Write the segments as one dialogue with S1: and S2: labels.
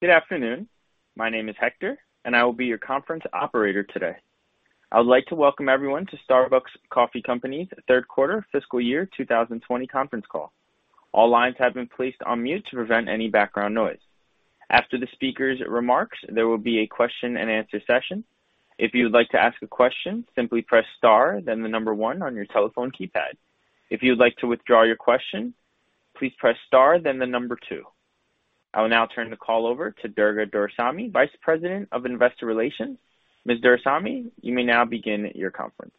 S1: Good afternoon. My name is Hector, and I will be your conference operator today. I would like to welcome everyone to Starbucks Coffee Company's third quarter fiscal year 2020 conference call. All lines have been placed on mute to prevent any background noise. After the speakers' remarks, there will be a question-and-answer session. If you would like to ask a question, simply press star then the number one on your telephone keypad. If you would like to withdraw your question, please press star then the number two. I will now turn the call over to Durga Doraisamy, Vice President, Investor Relations. Ms. Doraisamy, you may now begin your conference.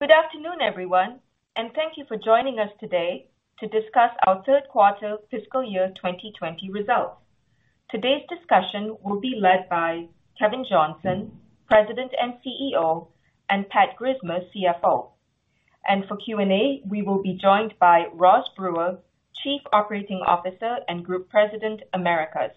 S2: Good afternoon, everyone, thank you for joining us today to discuss our third quarter fiscal year 2020 results. Today's discussion will be led by Kevin Johnson, President and CEO, and Pat Grismer, CFO. For Q&A, we will be joined by Roz Brewer, Chief Operating Officer and Group President, Americas.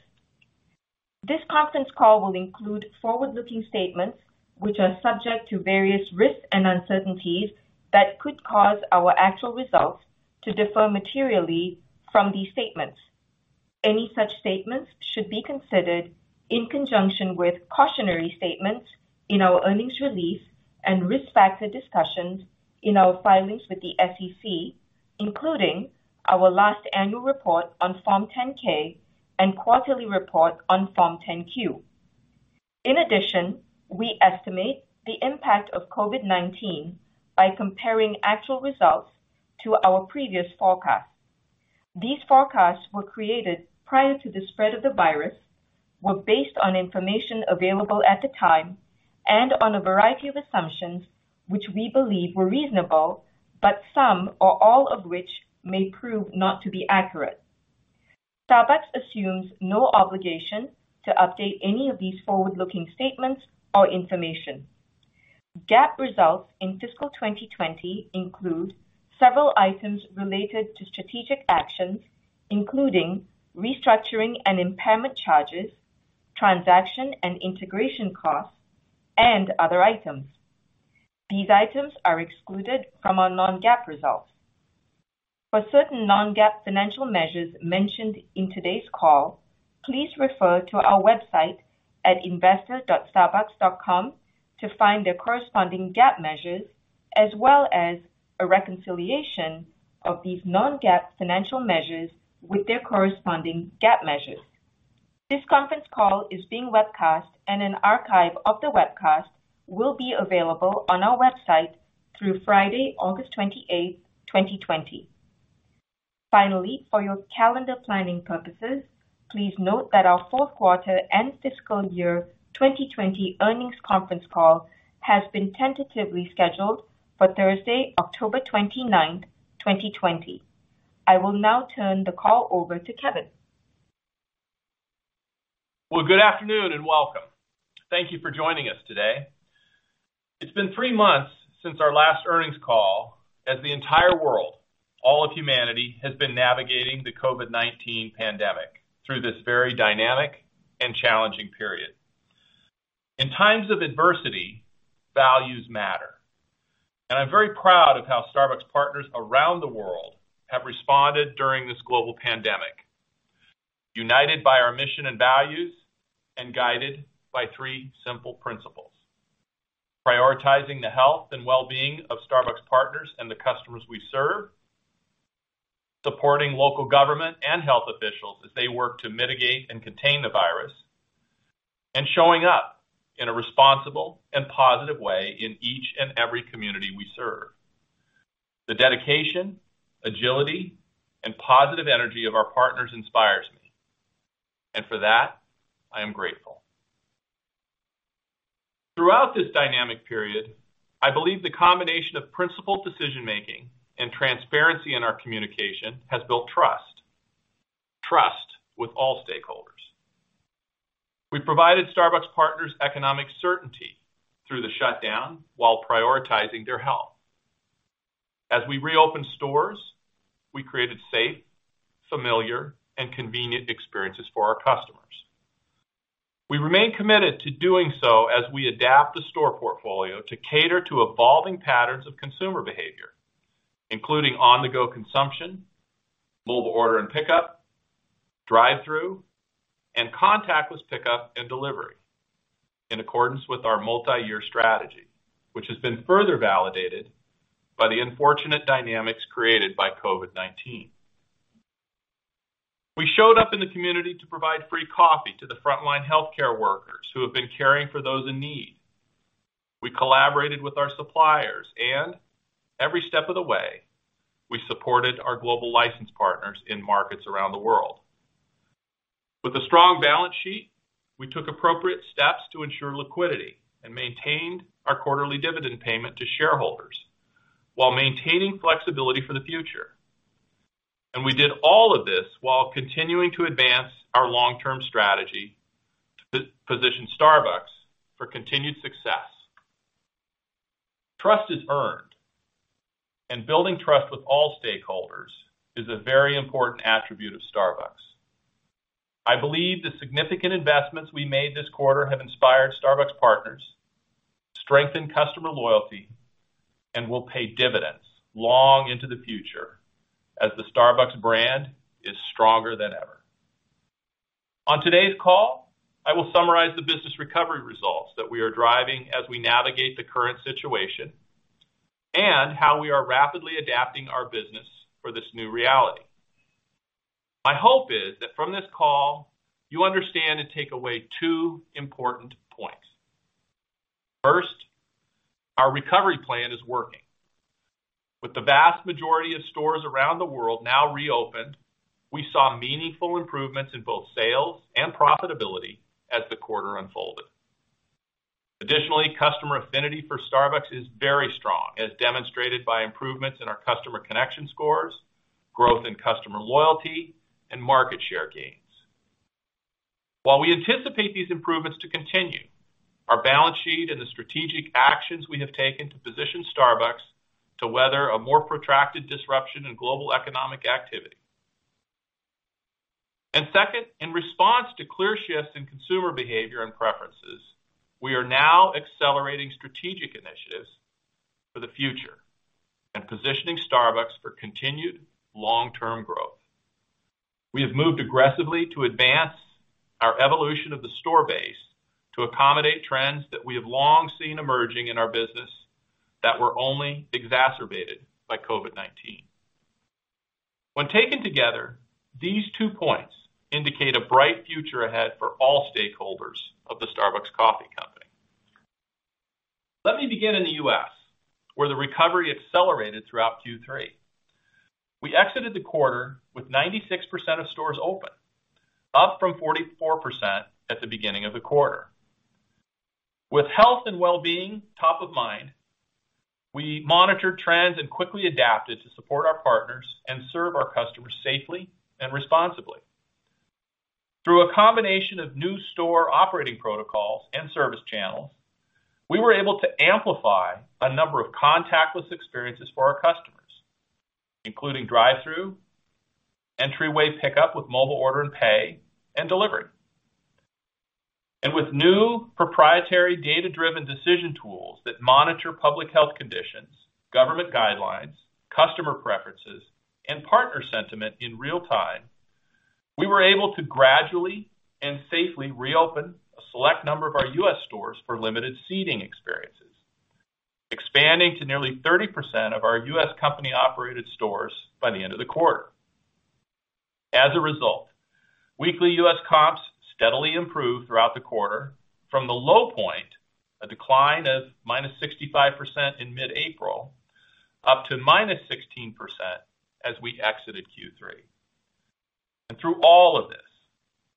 S2: This conference call will include forward-looking statements, which are subject to various risks and uncertainties that could cause our actual results to differ materially from these statements. Any such statements should be considered in conjunction with cautionary statements in our earnings release and risk factor discussions in our filings with the SEC, including our last annual report on Form 10-K and quarterly report on Form 10-Q. In addition, we estimate the impact of COVID-19 by comparing actual results to our previous forecasts. These forecasts were created prior to the spread of the virus, were based on information available at the time, and on a variety of assumptions, which we believe were reasonable, but some or all of which may prove not to be accurate. Starbucks assumes no obligation to update any of these forward-looking statements or information. GAAP results in fiscal 2020 include several items related to strategic actions, including restructuring and impairment charges, transaction and integration costs, and other items. These items are excluded from our non-GAAP results. For certain non-GAAP financial measures mentioned in today's call, please refer to our website at investors.starbucks.com to find their corresponding GAAP measures, as well as a reconciliation of these non-GAAP financial measures with their corresponding GAAP measures. This conference call is being webcast, and an archive of the webcast will be available on our website through Friday, August 28, 2020. Finally, for your calendar planning purposes, please note that our fourth quarter and fiscal year 2020 earnings conference call has been tentatively scheduled for Thursday, October 29, 2020. I will now turn the call over to Kevin.
S3: Good afternoon and welcome. Thank you for joining us today. It's been three months since our last earnings call as the entire world, all of humanity, has been navigating the COVID-19 pandemic through this very dynamic and challenging period. In times of adversity, values matter, and I'm very proud of how Starbucks partners around the world have responded during this global pandemic. United by our mission and values and guided by three simple principles. Prioritizing the health and wellbeing of Starbucks partners and the customers we serve. Supporting local government and health officials as they work to mitigate and contain the virus. Showing up in a responsible and positive way in each and every community we serve. The dedication, agility, and positive energy of our partners inspires me. For that, I am grateful. Throughout this dynamic period, I believe the combination of principled decision-making and transparency in our communication has built trust. Trust with all stakeholders. We provided Starbucks partners economic certainty through the shutdown while prioritizing their health. As we reopened stores, we created safe, familiar, and convenient experiences for our customers. We remain committed to doing so as we adapt the store portfolio to cater to evolving patterns of consumer behavior, including on-the-go consumption, mobile order and pickup, drive-through, and contactless pickup and delivery in accordance with our multiyear strategy, which has been further validated by the unfortunate dynamics created by COVID-19. We showed up in the community to provide free coffee to the frontline healthcare workers who have been caring for those in need. We collaborated with our suppliers and every step of the way, we supported our global license partners in markets around the world. With a strong balance sheet, we took appropriate steps to ensure liquidity and maintained our quarterly dividend payment to shareholders while maintaining flexibility for the future. We did all of this while continuing to advance our long-term strategy to position Starbucks for continued success. Trust is earned, and building trust with all stakeholders is a very important attribute of Starbucks. I believe the significant investments we made this quarter have inspired Starbucks partners strengthen customer loyalty, and will pay dividends long into the future as the Starbucks brand is stronger than ever. On today's call, I will summarize the business recovery results that we are driving as we navigate the current situation and how we are rapidly adapting our business for this new reality. My hope is that from this call, you understand and take away two important points. First, our recovery plan is working. With the vast majority of stores around the world now reopened, we saw meaningful improvements in both sales and profitability as the quarter unfolded. Customer affinity for Starbucks is very strong, as demonstrated by improvements in our customer connection scores, growth in customer loyalty, and market share gains. While we anticipate these improvements to continue, our balance sheet and the strategic actions we have taken to position Starbucks to weather a more protracted disruption in global economic activity. Second, in response to clear shifts in consumer behavior and preferences, we are now accelerating strategic initiatives for the future and positioning Starbucks for continued long-term growth. We have moved aggressively to advance our evolution of the store base to accommodate trends that we have long seen emerging in our business that were only exacerbated by COVID-19. When taken together, these two points indicate a bright future ahead for all stakeholders of the Starbucks Coffee Company. Let me begin in the U.S., where the recovery accelerated throughout Q3. We exited the quarter with 96% of stores open, up from 44% at the beginning of the quarter. With health and wellbeing top of mind, we monitored trends and quickly adapted to support our partners and serve our customers safely and responsibly. Through a combination of new store operating protocols and service channels, we were able to amplify a number of contactless experiences for our customers, including drive-through, entryway pickup with Mobile Order and Pay, and delivery. With new proprietary data-driven decision tools that monitor public health conditions, government guidelines, customer preferences, and partner sentiment in real time, we were able to gradually and safely reopen a select number of our U.S. stores for limited seating experiences, expanding to nearly 30% of our U.S. company-operated stores by the end of the quarter. As a result, weekly U.S. comps steadily improved throughout the quarter from the low point, a decline of -65% in mid-April, up to -16% as we exited Q3. Through all of this,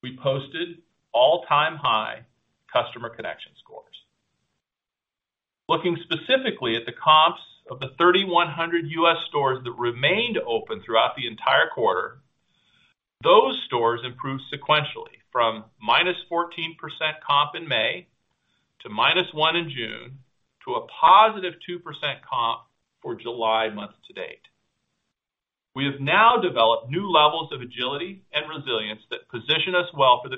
S3: we posted all-time high customer connection scores. Looking specifically at the comps of the 3,100 U.S. stores that remained open throughout the entire quarter, those stores improved sequentially from -14% comp in May to -1% in June to a +2% comp for July month to date. We have now developed new levels of agility and resilience that position us well for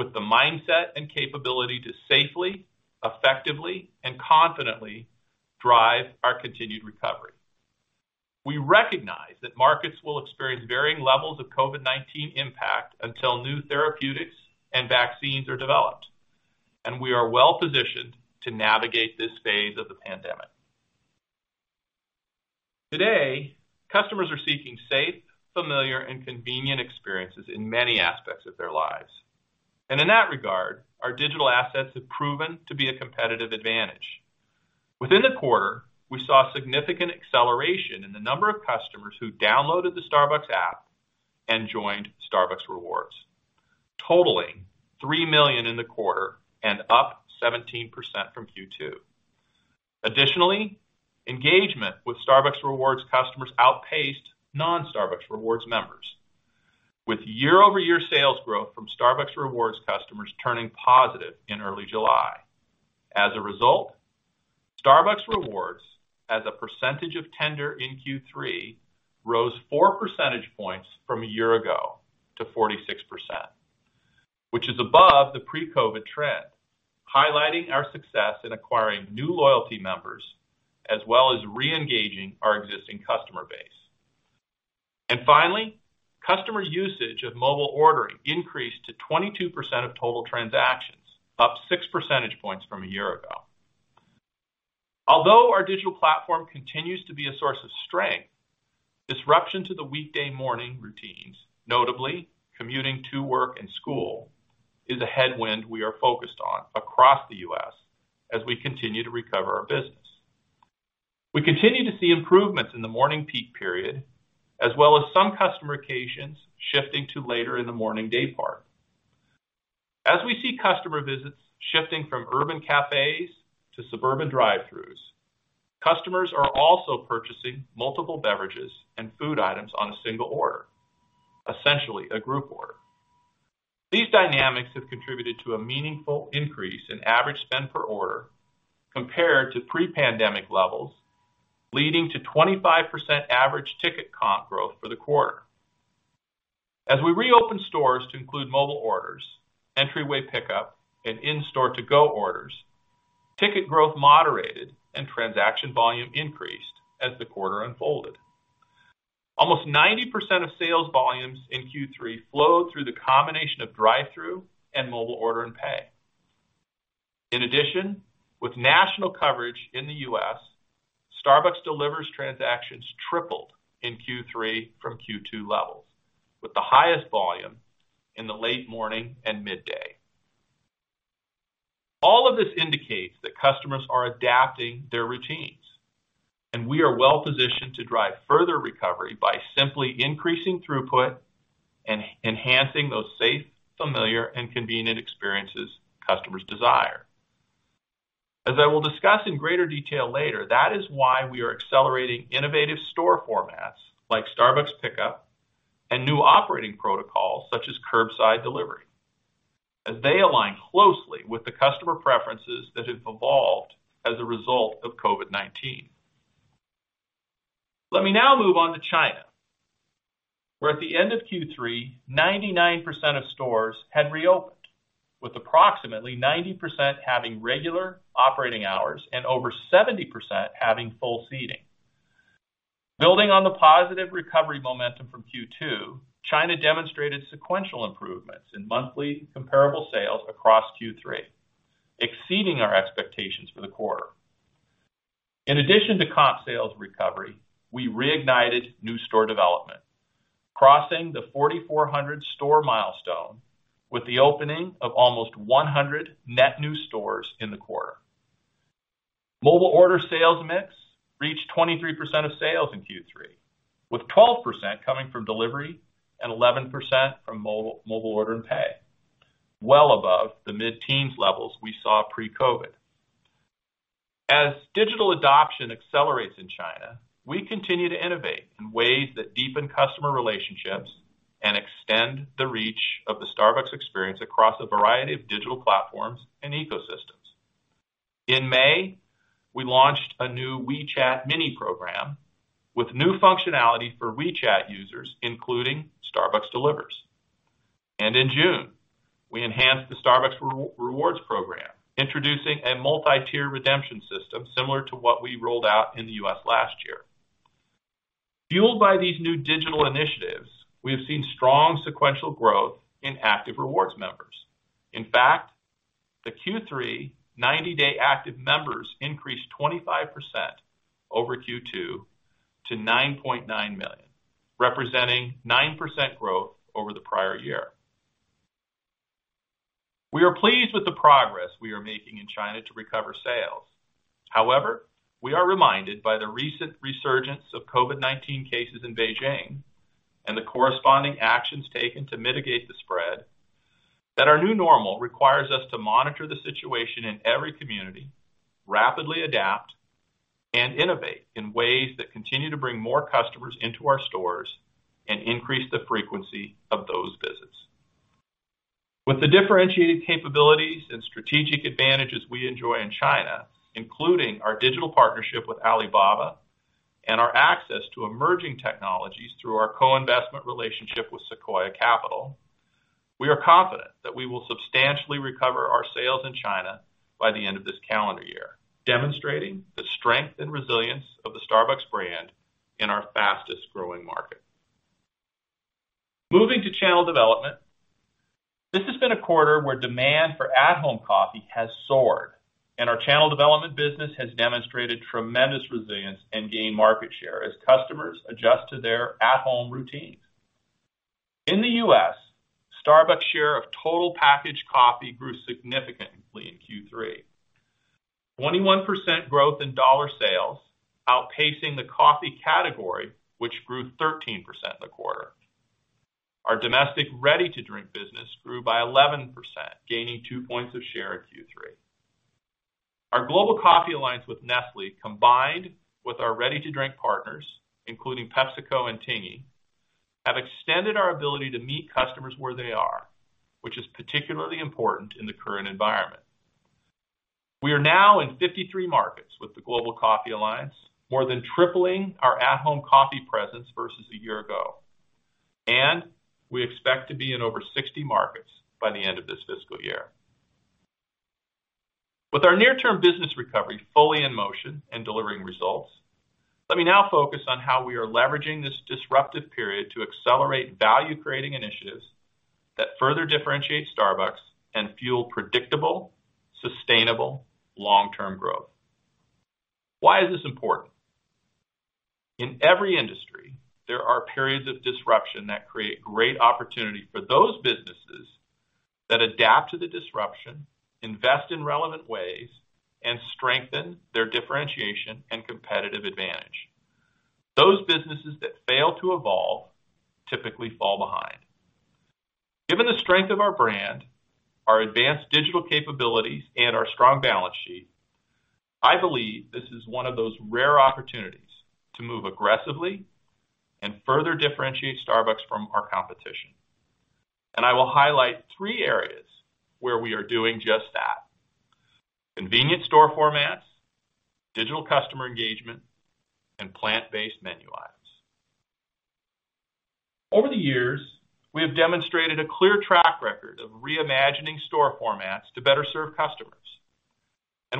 S3: the future with the mindset and capability to safely, effectively, and confidently drive our continued recovery. We recognize that markets will experience varying levels of COVID-19 impact until new therapeutics and vaccines are developed, and we are well-positioned to navigate this phase of the pandemic. Today, customers are seeking safe, familiar, and convenient experiences in many aspects of their lives. In that regard, our digital assets have proven to be a competitive advantage. Within the quarter, we saw significant acceleration in the number of customers who downloaded the Starbucks app and joined Starbucks Rewards, totaling $3 million in the quarter and up 17% from Q2. Additionally, engagement with Starbucks Rewards customers outpaced non-Starbucks Rewards members, with year-over-year sales growth from Starbucks Rewards customers turning positive in early July. As a result, Starbucks Rewards as a percentage of tender in Q3 rose four percentage points from a year ago to 46%, which is above the pre-COVID trend, highlighting our success in acquiring new loyalty members, as well as re-engaging our existing customer base. Finally, customer usage of mobile ordering increased to 22% of total transactions, up six percentage points from a year ago. Although our digital platform continues to be a source of strength, disruption to the weekday morning routines, notably commuting to work and school, is a headwind we are focused on across the U.S. as we continue to recover our business. We continue to see improvements in the morning peak period, as well as some customer occasions shifting to later in the morning day part. As we see customer visits shifting from urban cafes to suburban drive-throughs, customers are also purchasing multiple beverages and food items on a single order, essentially a group order. These dynamics have contributed to a meaningful increase in average spend per order compared to pre-pandemic levels, leading to 25% average ticket comp growth for the quarter. As we reopened stores to include mobile orders, entryway pickup, and in-store to-go orders, ticket growth moderated and transaction volume increased as the quarter unfolded. Almost 90% of sales volumes in Q3 flowed through the combination of drive-through and Mobile Order and Pay. In addition, with national coverage in the U.S., Starbucks Delivers transactions tripled in Q3 from Q2 levels, with the highest volume in the late morning and midday. All of this indicates that customers are adapting their routines, and we are well-positioned to drive further recovery by simply increasing throughput and enhancing those safe, familiar, and convenient experiences customers desire. As I will discuss in greater detail later, that is why we are accelerating innovative store formats like Starbucks Pickup and new operating protocols such as curbside delivery, as they align closely with the customer preferences that have evolved as a result of COVID-19. Let me now move on to China, where at the end of Q3, 99% of stores had reopened, with approximately 90% having regular operating hours and over 70% having full seating. Building on the positive recovery momentum from Q2, China demonstrated sequential improvements in monthly comparable sales across Q3, exceeding our expectations for the quarter. In addition to comp sales recovery, we reignited new store development, crossing the 4,400 store milestone with the opening of almost 100 net new stores in the quarter. Mobile order sales mix reached 23% of sales in Q3, with 12% coming from delivery and 11% from Mobile Order and Pay, well above the mid-teens levels we saw pre-COVID. As digital adoption accelerates in China, we continue to innovate in ways that deepen customer relationships and extend the reach of the Starbucks experience across a variety of digital platforms and ecosystems. In May, we launched a new WeChat mini program with new functionality for WeChat users, including Starbucks Delivers. In June, we enhanced the Starbucks Rewards program, introducing a multi-tier redemption system similar to what we rolled out in the U.S. last year. Fueled by these new digital initiatives, we have seen strong sequential growth in active rewards members. In fact, the Q3 90-day active members increased 25% over Q2 to 9.9 million, representing 9% growth over the prior year. We are pleased with the progress we are making in China to recover sales. However, we are reminded by the recent resurgence of COVID-19 cases in Beijing and the corresponding actions taken to mitigate the spread, that our new normal requires us to monitor the situation in every community, rapidly adapt, and innovate in ways that continue to bring more customers into our stores and increase the frequency of those visits. With the differentiated capabilities and strategic advantages we enjoy in China, including our digital partnership with Alibaba and our access to emerging technologies through our co-investment relationship with Sequoia Capital, we are confident that we will substantially recover our sales in China by the end of this calendar year, demonstrating the strength and resilience of the Starbucks brand in our fastest-growing market. Moving to channel development. This has been a quarter where demand for at-home coffee has soared. Our channel development business has demonstrated tremendous resilience and gained market share as customers adjust to their at-home routines. In the U.S., Starbucks share of total packaged coffee grew significantly in Q3. 21% growth in dollar sales, outpacing the coffee category, which grew 13% in the quarter. Our domestic ready-to-drink business grew by 11%, gaining two points of share in Q3. Our Global Coffee Alliance with Nestlé, combined with our ready-to-drink partners, including PepsiCo and Tingyi, have extended our ability to meet customers where they are, which is particularly important in the current environment. We are now in 53 markets with the Global Coffee Alliance, more than tripling our at-home coffee presence versus a year ago, and we expect to be in over 60 markets by the end of this fiscal year. With our near-term business recovery fully in motion and delivering results, let me now focus on how we are leveraging this disruptive period to accelerate value-creating initiatives that further differentiate Starbucks and fuel predictable, sustainable, long-term growth. Why is this important? In every industry, there are periods of disruption that create great opportunity for those businesses that adapt to the disruption, invest in relevant ways, and strengthen their differentiation and competitive advantage. Those businesses that fail to evolve typically fall behind. Given the strength of our brand, our advanced digital capabilities, and our strong balance sheet, I believe this is one of those rare opportunities to move aggressively and further differentiate Starbucks from our competition. I will highlight three areas where we are doing just that. Convenient store formats, digital customer engagement, and plant-based menu items. Over the years, we have demonstrated a clear track record of reimagining store formats to better serve customers.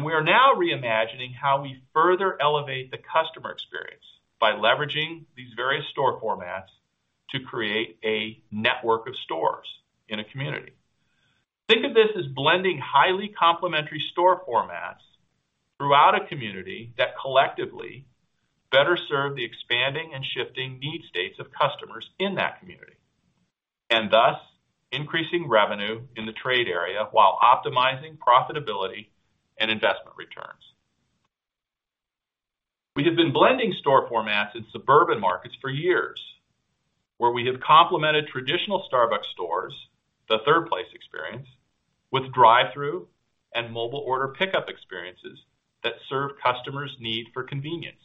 S3: We are now reimagining how we further elevate the customer experience by leveraging these various store formats to create a network of stores in a community. Think of this as blending highly complementary store formats throughout a community that collectively better serve the expanding and shifting need states of customers in that community, and thus increasing revenue in the trade area while optimizing profitability and investment returns. We have been blending store formats in suburban markets for years, where we have complemented traditional Starbucks stores, the Third Place experience, with drive-through and mobile order pickup experiences that serve customers' need for convenience.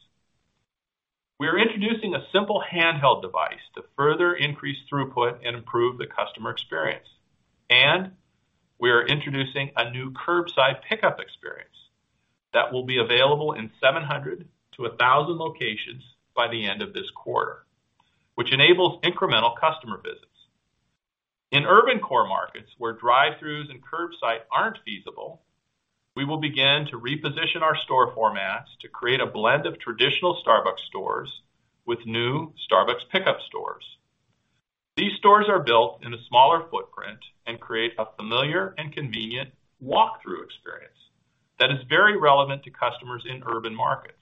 S3: We are introducing a simple handheld device to further increase throughput and improve the customer experience, and we are introducing a new curbside pickup experience that will be available in 700-1,000 locations by the end of this quarter, which enables incremental customer visits. In urban core markets, where drive-throughs and curbside aren't feasible, we will begin to reposition our store formats to create a blend of traditional Starbucks stores with new Starbucks Pickup stores. These stores are built in a smaller footprint and create a familiar and convenient walk-through experience that is very relevant to customers in urban markets.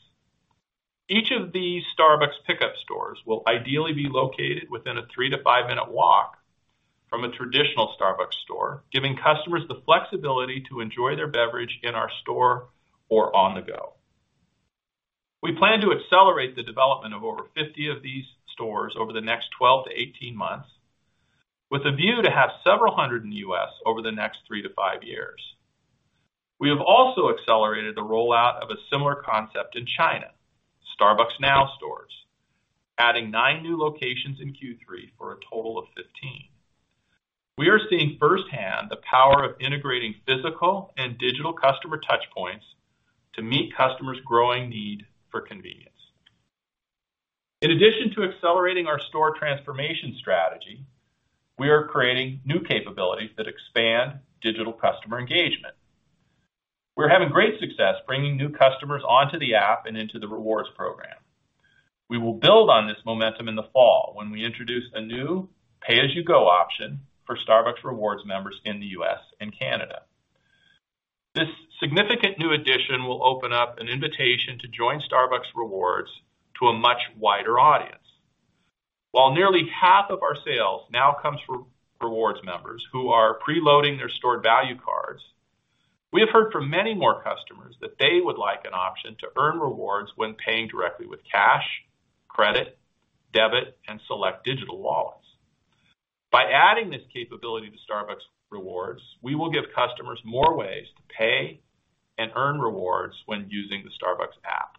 S3: Each of these Starbucks Pickup stores will ideally be located within a three to five-minute walk from a traditional Starbucks store, giving customers the flexibility to enjoy their beverage in our store or on the go. We plan to accelerate the development of over 50 of these stores over the next 12 to 18 months, with a view to have several hundred in the U.S. over the next three to five years. We have also accelerated the rollout of a similar concept in China, Starbucks Now stores, adding nine new locations in Q3 for a total of 15. We are seeing firsthand the power of integrating physical and digital customer touchpoints to meet customers' growing need for convenience. In addition to accelerating our store transformation strategy, we are creating new capabilities that expand digital customer engagement. We're having great success bringing new customers onto the app and into the Starbucks Rewards program. We will build on this momentum in the fall when we introduce a new pay-as-you-go option for Starbucks Rewards members in the U.S. and Canada. This significant new addition will open up an invitation to join Starbucks Rewards to a much wider audience. While nearly half of our sales now comes from Rewards members who are preloading their stored value cards, we have heard from many more customers that they would like an option to earn rewards when paying directly with cash, credit, debit, and select digital wallets. By adding this capability to Starbucks Rewards, we will give customers more ways to pay and earn rewards when using the Starbucks app.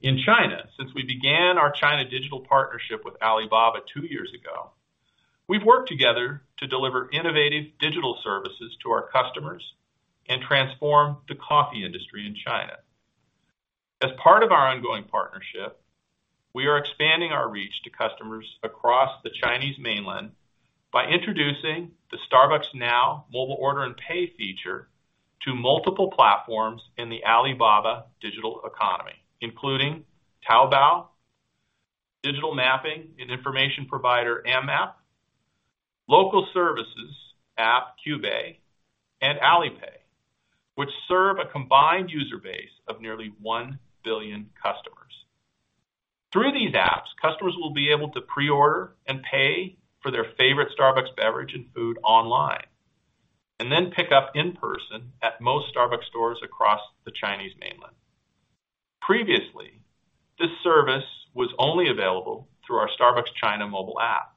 S3: In China, since we began our China digital partnership with Alibaba two years ago, we've worked together to deliver innovative digital services to our customers and transform the coffee industry in China. As part of our ongoing partnership, we are expanding our reach to customers across the Chinese mainland by introducing the Starbucks Now Mobile Order and Pay feature to multiple platforms in the Alibaba digital economy, including Taobao, digital mapping and information provider Amap, local services app Koubei, and Alipay, which serve a combined user base of nearly 1 billion customers. Through these apps, customers will be able to pre-order and pay for their favorite Starbucks beverage and food online, and then pick up in person at most Starbucks stores across the Chinese mainland. Previously, this service was only available through our Starbucks China mobile app.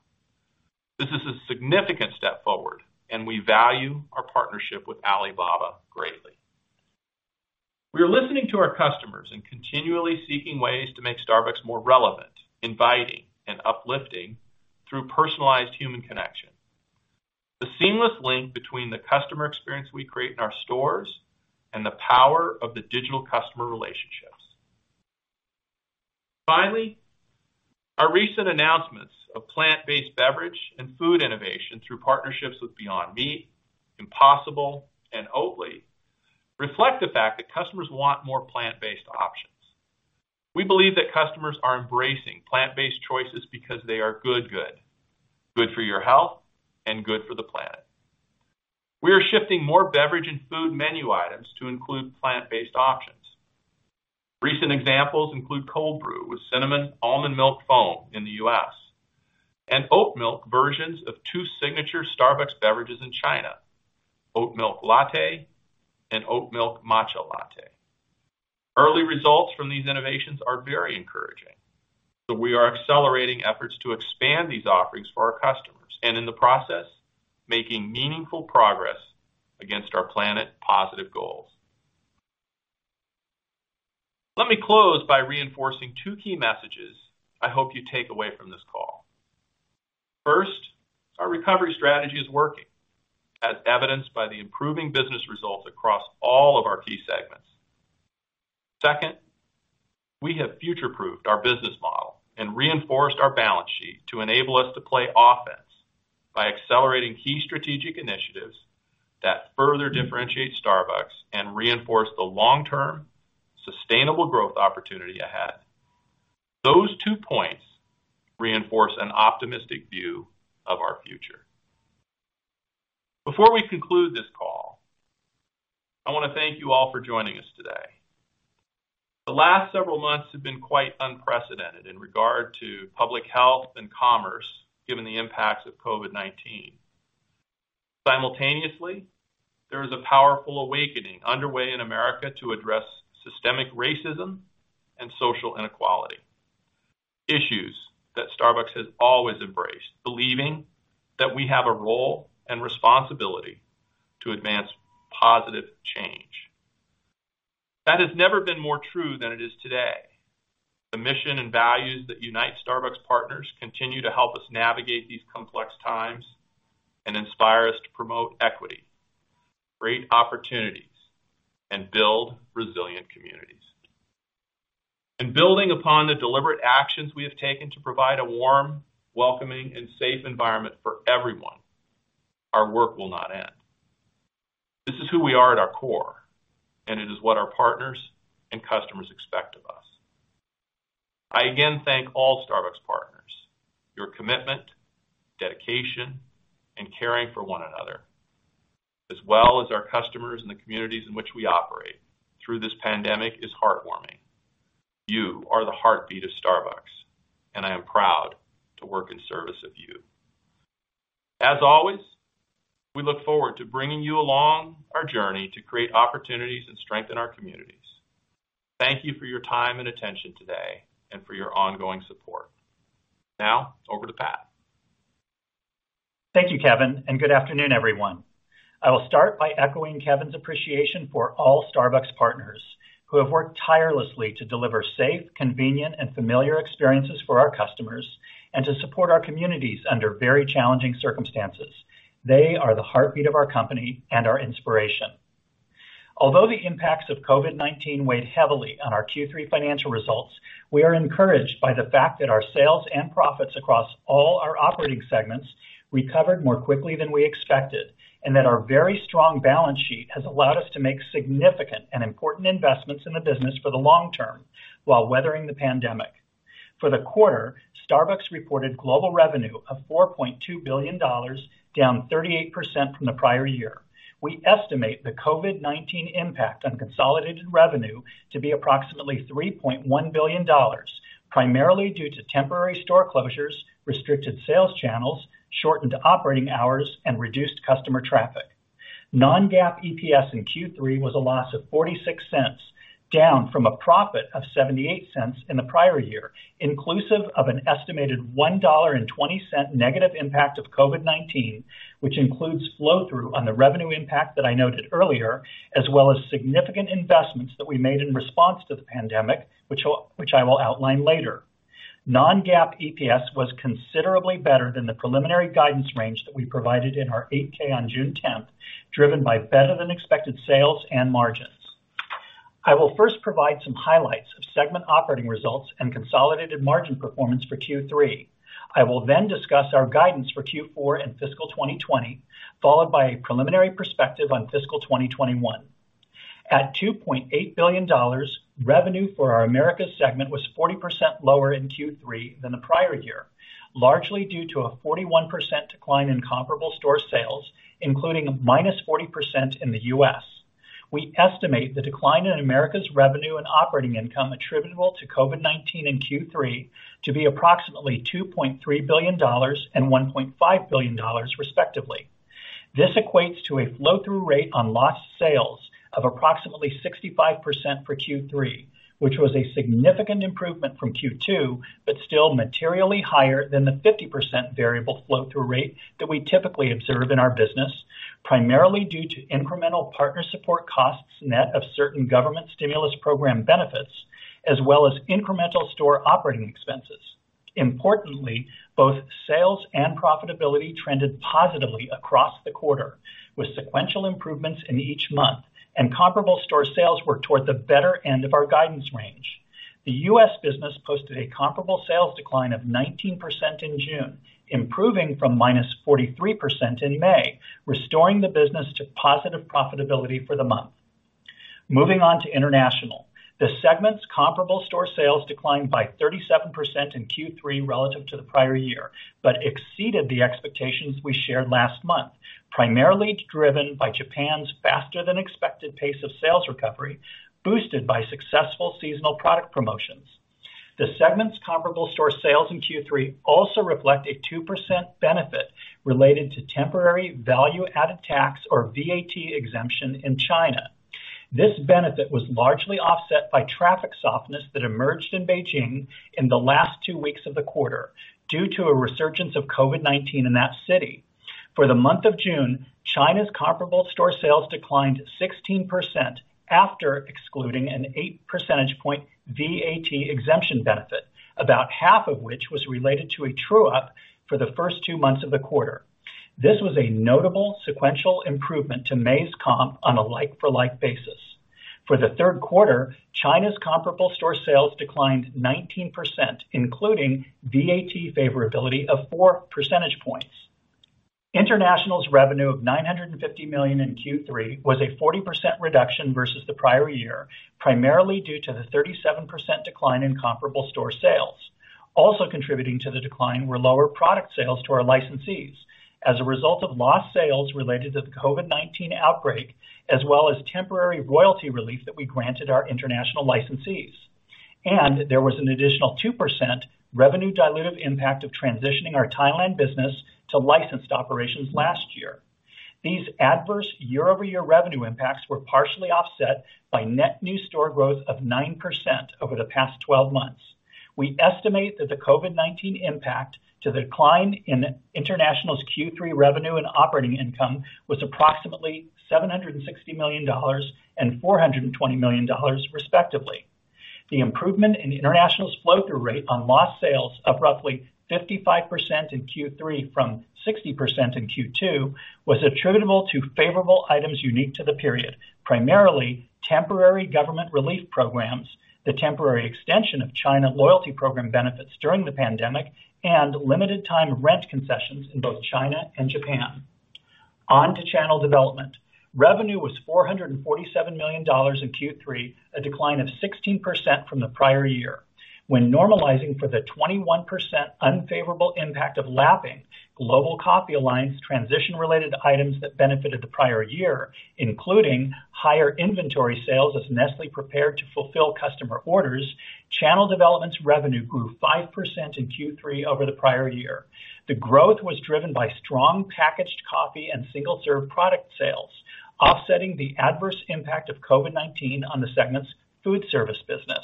S3: This is a significant step forward. We value our partnership with Alibaba greatly. We are listening to our customers and continually seeking ways to make Starbucks more relevant, inviting, and uplifting through personalized human connection, the seamless link between the customer experience we create in our stores and the power of the digital customer relationships. Our recent announcements of plant-based beverage and food innovation through partnerships with Beyond Meat, Impossible, and Oatly reflect the fact that customers want more plant-based options. We believe that customers are embracing plant-based choices because they are good. Good for your health and good for the planet. We are shifting more beverage and food menu items to include plant-based options. Recent examples include cold brew with cinnamon almond milk foam in the U.S., and oat milk versions of two signature Starbucks beverages in China, oat milk latte and oat milk matcha latte. Early results from these innovations are very encouraging. We are accelerating efforts to expand these offerings for our customers, and in the process, making meaningful progress against our planet positive goals. Let me close by reinforcing two key messages I hope you take away from this call. First, our recovery strategy is working, as evidenced by the improving business results across all of our key segments. Second, we have future-proofed our business model and reinforced our balance sheet to enable us to play offense by accelerating key strategic initiatives that further differentiate Starbucks and reinforce the long-term sustainable growth opportunity ahead. Those two points reinforce an optimistic view of our future. Before we conclude this call, I want to thank you all for joining us today. The last several months have been quite unprecedented in regard to public health and commerce, given the impacts of COVID-19. Simultaneously, there is a powerful awakening underway in America to address systemic racism and social inequality. Issues that Starbucks has always embraced, believing that we have a role and responsibility to advance positive change. That has never been more true than it is today. The mission and values that unite Starbucks partners continue to help us navigate these complex times and inspire us to promote equity, create opportunities, and build resilient communities. In building upon the deliberate actions we have taken to provide a warm, welcoming, and safe environment for everyone, our work will not end. This is who we are at our core, and it is what our partners and customers expect of us. I again thank all Starbucks partners. Your commitment, dedication, and caring for one another, as well as our customers and the communities in which we operate through this pandemic, is heartwarming. You are the heartbeat of Starbucks, and I am proud to work in service of you. As always, we look forward to bringing you along our journey to create opportunities and strengthen our communities. Thank you for your time and attention today and for your ongoing support. Now, over to Pat.
S4: Thank you, Kevin, and good afternoon, everyone. I will start by echoing Kevin's appreciation for all Starbucks partners who have worked tirelessly to deliver safe, convenient, and familiar experiences for our customers and to support our communities under very challenging circumstances. They are the heartbeat of our company and our inspiration. Although the impacts of COVID-19 weighed heavily on our Q3 financial results, we are encouraged by the fact that our sales and profits across all our operating segments recovered more quickly than we expected, and that our very strong balance sheet has allowed us to make significant and important investments in the business for the long- term while weathering the pandemic. For the quarter, Starbucks reported global revenue of $4.2 billion, down 38% from the prior year. We estimate the COVID-19 impact on consolidated revenue to be approximately $3.1 billion, primarily due to temporary store closures, restricted sales channels, shortened operating hours, and reduced customer traffic. Non-GAAP EPS in Q3 was a loss of $0.46, down from a profit of $0.78 in the prior year, inclusive of an estimated $1.20 negative impact of COVID-19, which includes flow-through on the revenue impact that I noted earlier, as well as significant investments that we made in response to the pandemic, which I will outline later. Non-GAAP EPS was considerably better than the preliminary guidance range that we provided in our 8-K on June 10th, driven by better-than-expected sales and margins. I will first provide some highlights of segment operating results and consolidated margin performance for Q3. I will then discuss our guidance for Q4 and fiscal 2020, followed by a preliminary perspective on fiscal 2021. At $2.8 billion, revenue for our Americas segment was 40% lower in Q3 than the prior year, largely due to a 41% decline in comparable store sales, including -40% in the U.S. We estimate the decline in Americas' revenue and operating income attributable to COVID-19 in Q3 to be approximately $2.3 billion and $1.5 billion, respectively. This equates to a flow-through rate on lost sales of approximately 65% for Q3, which was a significant improvement from Q2, but still materially higher than the 50% variable flow-through rate that we typically observe in our business, primarily due to incremental partner support costs net of certain government stimulus program benefits, as well as incremental store operating expenses. Importantly, both sales and profitability trended positively across the quarter, with sequential improvements in each month, and comparable store sales were toward the better end of our guidance range. The U.S. business posted a comparable sales decline of 19% in June, improving from -43% in May, restoring the business to positive profitability for the month. Moving on to international. The segment's comparable store sales declined by 37% in Q3 relative to the prior year but exceeded the expectations we shared last month, primarily driven by Japan's faster-than-expected pace of sales recovery, boosted by successful seasonal product promotions. The segment's comparable store sales in Q3 also reflect a 2% benefit related to temporary value-added tax or VAT exemption in China. This benefit was largely offset by traffic softness that emerged in Beijing in the last two weeks of the quarter due to a resurgence of COVID-19 in that city. For the month of June, China's comparable store sales declined 16% after excluding an eight percentage point VAT exemption benefit, about half of which was related to a true-up for the first two months of the quarter. This was a notable sequential improvement to May's comp on a like-for-like basis. For the third quarter, China's comparable store sales declined 19%, including VAT favorability of four percentage points. International's revenue of $950 million in Q3 was a 40% reduction versus the prior year, primarily due to the 37% decline in comparable store sales. Also contributing to the decline were lower product sales to our licensees as a result of lost sales related to the COVID-19 outbreak, as well as temporary royalty relief that we granted our international licensees. There was an additional 2% revenue dilutive impact of transitioning our Thailand business to licensed operations last year. These adverse year-over-year revenue impacts were partially offset by net new store growth of 9% over the past 12 months. We estimate that the COVID-19 impact to the decline in International's Q3 revenue and operating income was approximately $760 million and $420 million respectively. The improvement in International's flow-through rate on lost sales of roughly 55% in Q3 from 60% in Q2 was attributable to favorable items unique to the period, primarily temporary government relief programs, the temporary extension of China loyalty program benefits during the pandemic, and limited time rent concessions in both China and Japan. On to channel development. Revenue was $447 million in Q3, a decline of 16% from the prior year. When normalizing for the 21% unfavorable impact of lapping Global Coffee Alliance transition-related items that benefited the prior year, including higher inventory sales as Nestlé prepared to fulfill customer orders, channel development's revenue grew 5% in Q3 over the prior year. The growth was driven by strong packaged coffee and single-serve product sales, offsetting the adverse impact of COVID-19 on the segment's food service business.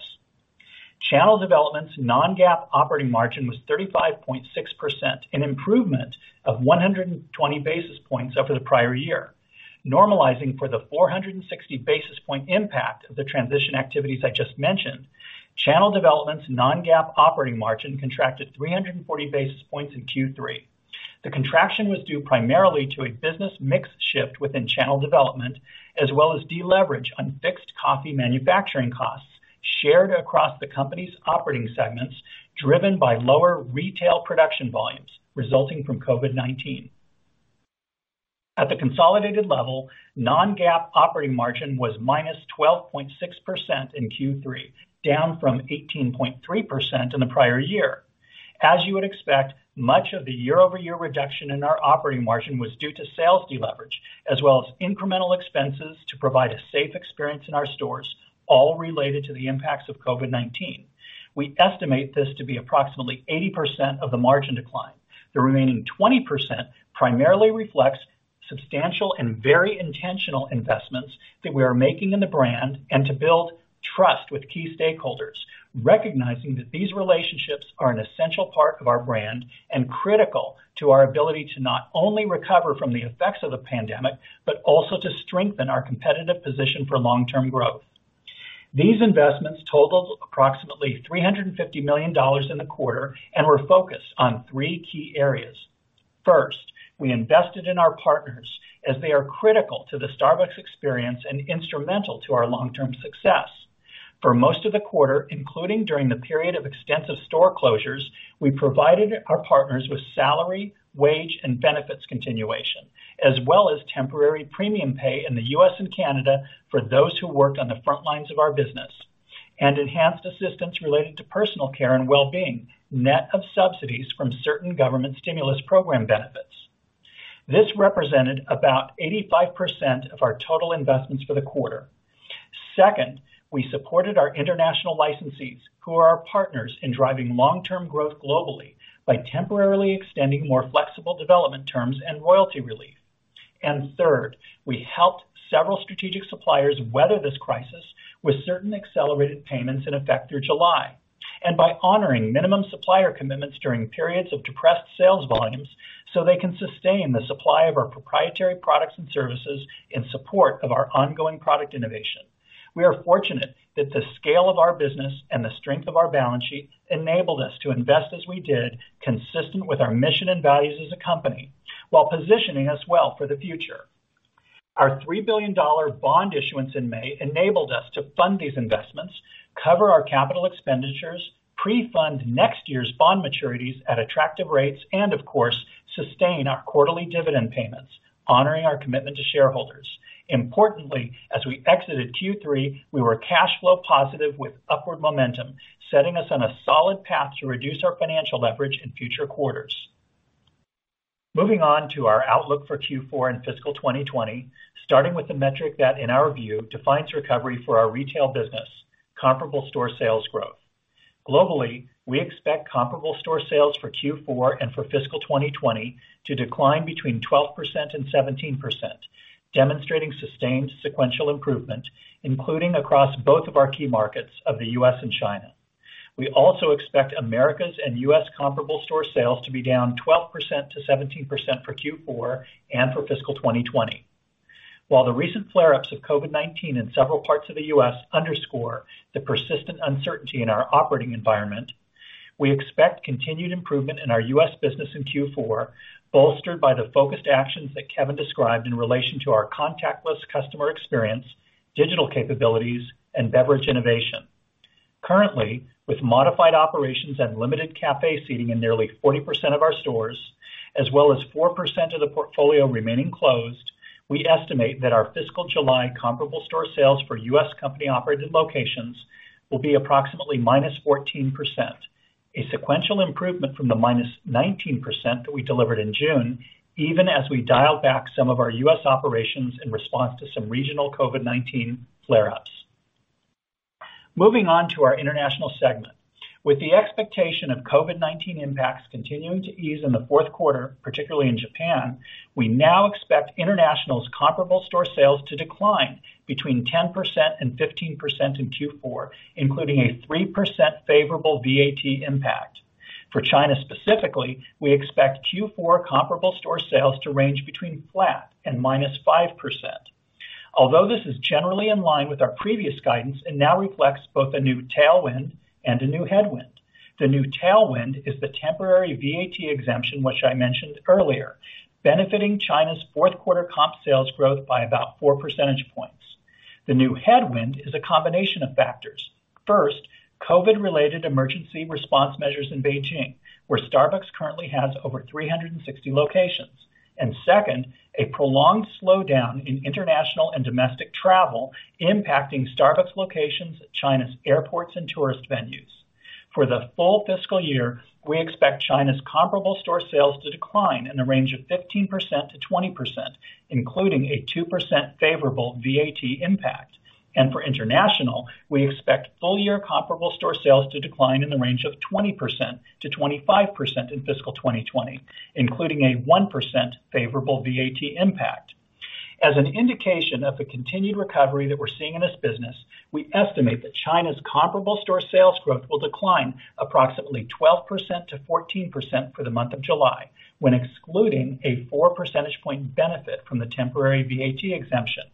S4: Channel development's non-GAAP operating margin was 35.6%, an improvement of 120 basis points over the prior year. Normalizing for the 460 basis point impact of the transition activities I just mentioned, channel development's non-GAAP operating margin contracted 340 basis points in Q3. The contraction was due primarily to a business mix shift within channel development, as well as de-leverage on fixed coffee manufacturing costs shared across the company's operating segments, driven by lower retail production volumes resulting from COVID-19. At the consolidated level, non-GAAP operating margin was -12.6% in Q3, down from 18.3% in the prior year. As you would expect, much of the year-over-year reduction in our operating margin was due to sales de-leverage as well as incremental expenses to provide a safe experience in our stores, all related to the impacts of COVID-19. We estimate this to be approximately 80% of the margin decline. The remaining 20% primarily reflects substantial and very intentional investments that we are making in the brand and to build trust with key stakeholders, recognizing that these relationships are an essential part of our brand and critical to our ability to not only recover from the effects of the pandemic, but also to strengthen our competitive position for long-term growth. These investments totaled approximately $350 million in the quarter and were focused on three key areas. First, we invested in our partners as they are critical to the Starbucks experience and instrumental to our long-term success. For most of the quarter, including during the period of extensive store closures, we provided our partners with salary, wage, and benefits continuation, as well as temporary premium pay in the U.S. and Canada for those who worked on the front lines of our business, and enhanced assistance related to personal care and wellbeing, net of subsidies from certain government stimulus program benefits. This represented about 85% of our total investments for the quarter. Second, we supported our international licensees, who are our partners in driving long-term growth globally, by temporarily extending more flexible development terms and royalty relief. Third, we helped several strategic suppliers weather this crisis with certain accelerated payments in effect through July, and by honoring minimum supplier commitments during periods of depressed sales volumes so they can sustain the supply of our proprietary products and services in support of our ongoing product innovation. We are fortunate that the scale of our business and the strength of our balance sheet enabled us to invest as we did consistent with our mission and values as a company while positioning us well for the future. Our $3 billion bond issuance in May enabled us to fund these investments, cover our capital expenditures, pre-fund next year's bond maturities at attractive rates, and of course, sustain our quarterly dividend payments, honoring our commitment to shareholders. Importantly, as we exited Q3, we were cash flow positive with upward momentum, setting us on a solid path to reduce our financial leverage in future quarters. Moving on to our outlook for Q4 and fiscal 2020, starting with the metric that, in our view, defines recovery for our retail business, comparable store sales growth. Globally, we expect comparable store sales for Q4 and for fiscal 2020 to decline between 12% and 17%, demonstrating sustained sequential improvement, including across both of our key markets of the U.S. and China. We also expect Americas and U.S. comparable store sales to be down 12%-17% for Q4 and for fiscal 2020. While the recent flare-ups of COVID-19 in several parts of the U.S. underscore the persistent uncertainty in our operating environment, we expect continued improvement in our U.S. business in Q4, bolstered by the focused actions that Kevin described in relation to our contactless customer experience, digital capabilities, and beverage innovation. Currently, with modified operations and limited cafe seating in nearly 40% of our stores, as well as 4% of the portfolio remaining closed, we estimate that our fiscal July comparable store sales for U.S. company-operated locations will be approximately -14%, a sequential improvement from the -19% that we delivered in June, even as we dial back some of our U.S. operations in response to some regional COVID-19 flare-ups. Moving on to our international segment. With the expectation of COVID-19 impacts continuing to ease in the fourth quarter, particularly in Japan, we now expect international comparable store sales to decline 10%-15% in Q4, including a 3% favorable VAT impact. For China specifically, we expect Q4 comparable store sales to range between flat and -5%. Although this is generally in line with our previous guidance, it now reflects both a new tailwind and a new headwind. The new tailwind is the temporary VAT exemption, which I mentioned earlier, benefiting China's fourth quarter comp sales growth by about four percentage points. The new headwind is a combination of factors. First, COVID-related emergency response measures in Beijing, where Starbucks currently has over 360 locations. Second, a prolonged slowdown in international and domestic travel impacting Starbucks locations at China's airports and tourist venues. For the full fiscal year, we expect China's comparable store sales to decline in the range of 15%-20%, including a 2% favorable VAT impact. For international, we expect full-year comparable store sales to decline in the range of 20%-25% in fiscal 2020, including a 1% favorable VAT impact. As an indication of the continued recovery that we're seeing in this business, we estimate that China's comparable store sales growth will decline approximately 12%-14% for the month of July, when excluding a four percentage point benefit from the temporary VAT exemption.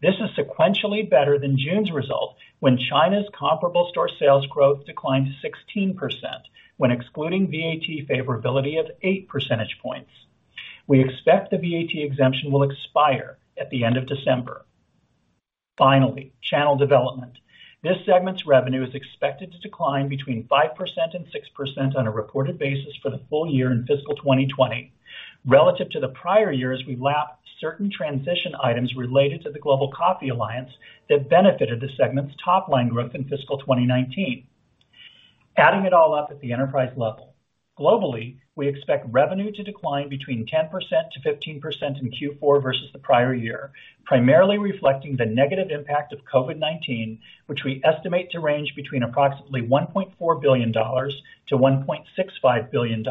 S4: This is sequentially better than June's result when China's comparable store sales growth declined 16%, when excluding VAT favorability of eight percentage points. We expect the VAT exemption will expire at the end of December. Finally, channel development. This segment's revenue is expected to decline between 5% and 6% on a reported basis for the full -year in fiscal 2020, relative to the prior year as we lap certain transition items related to the Global Coffee Alliance that benefited the segment's top-line growth in fiscal 2019. Adding it all up at the enterprise level. Globally, we expect revenue to decline between 10%-15% in Q4 versus the prior year, primarily reflecting the negative impact of COVID-19, which we estimate to range between approximately $1.4 billion-$1.65 billion.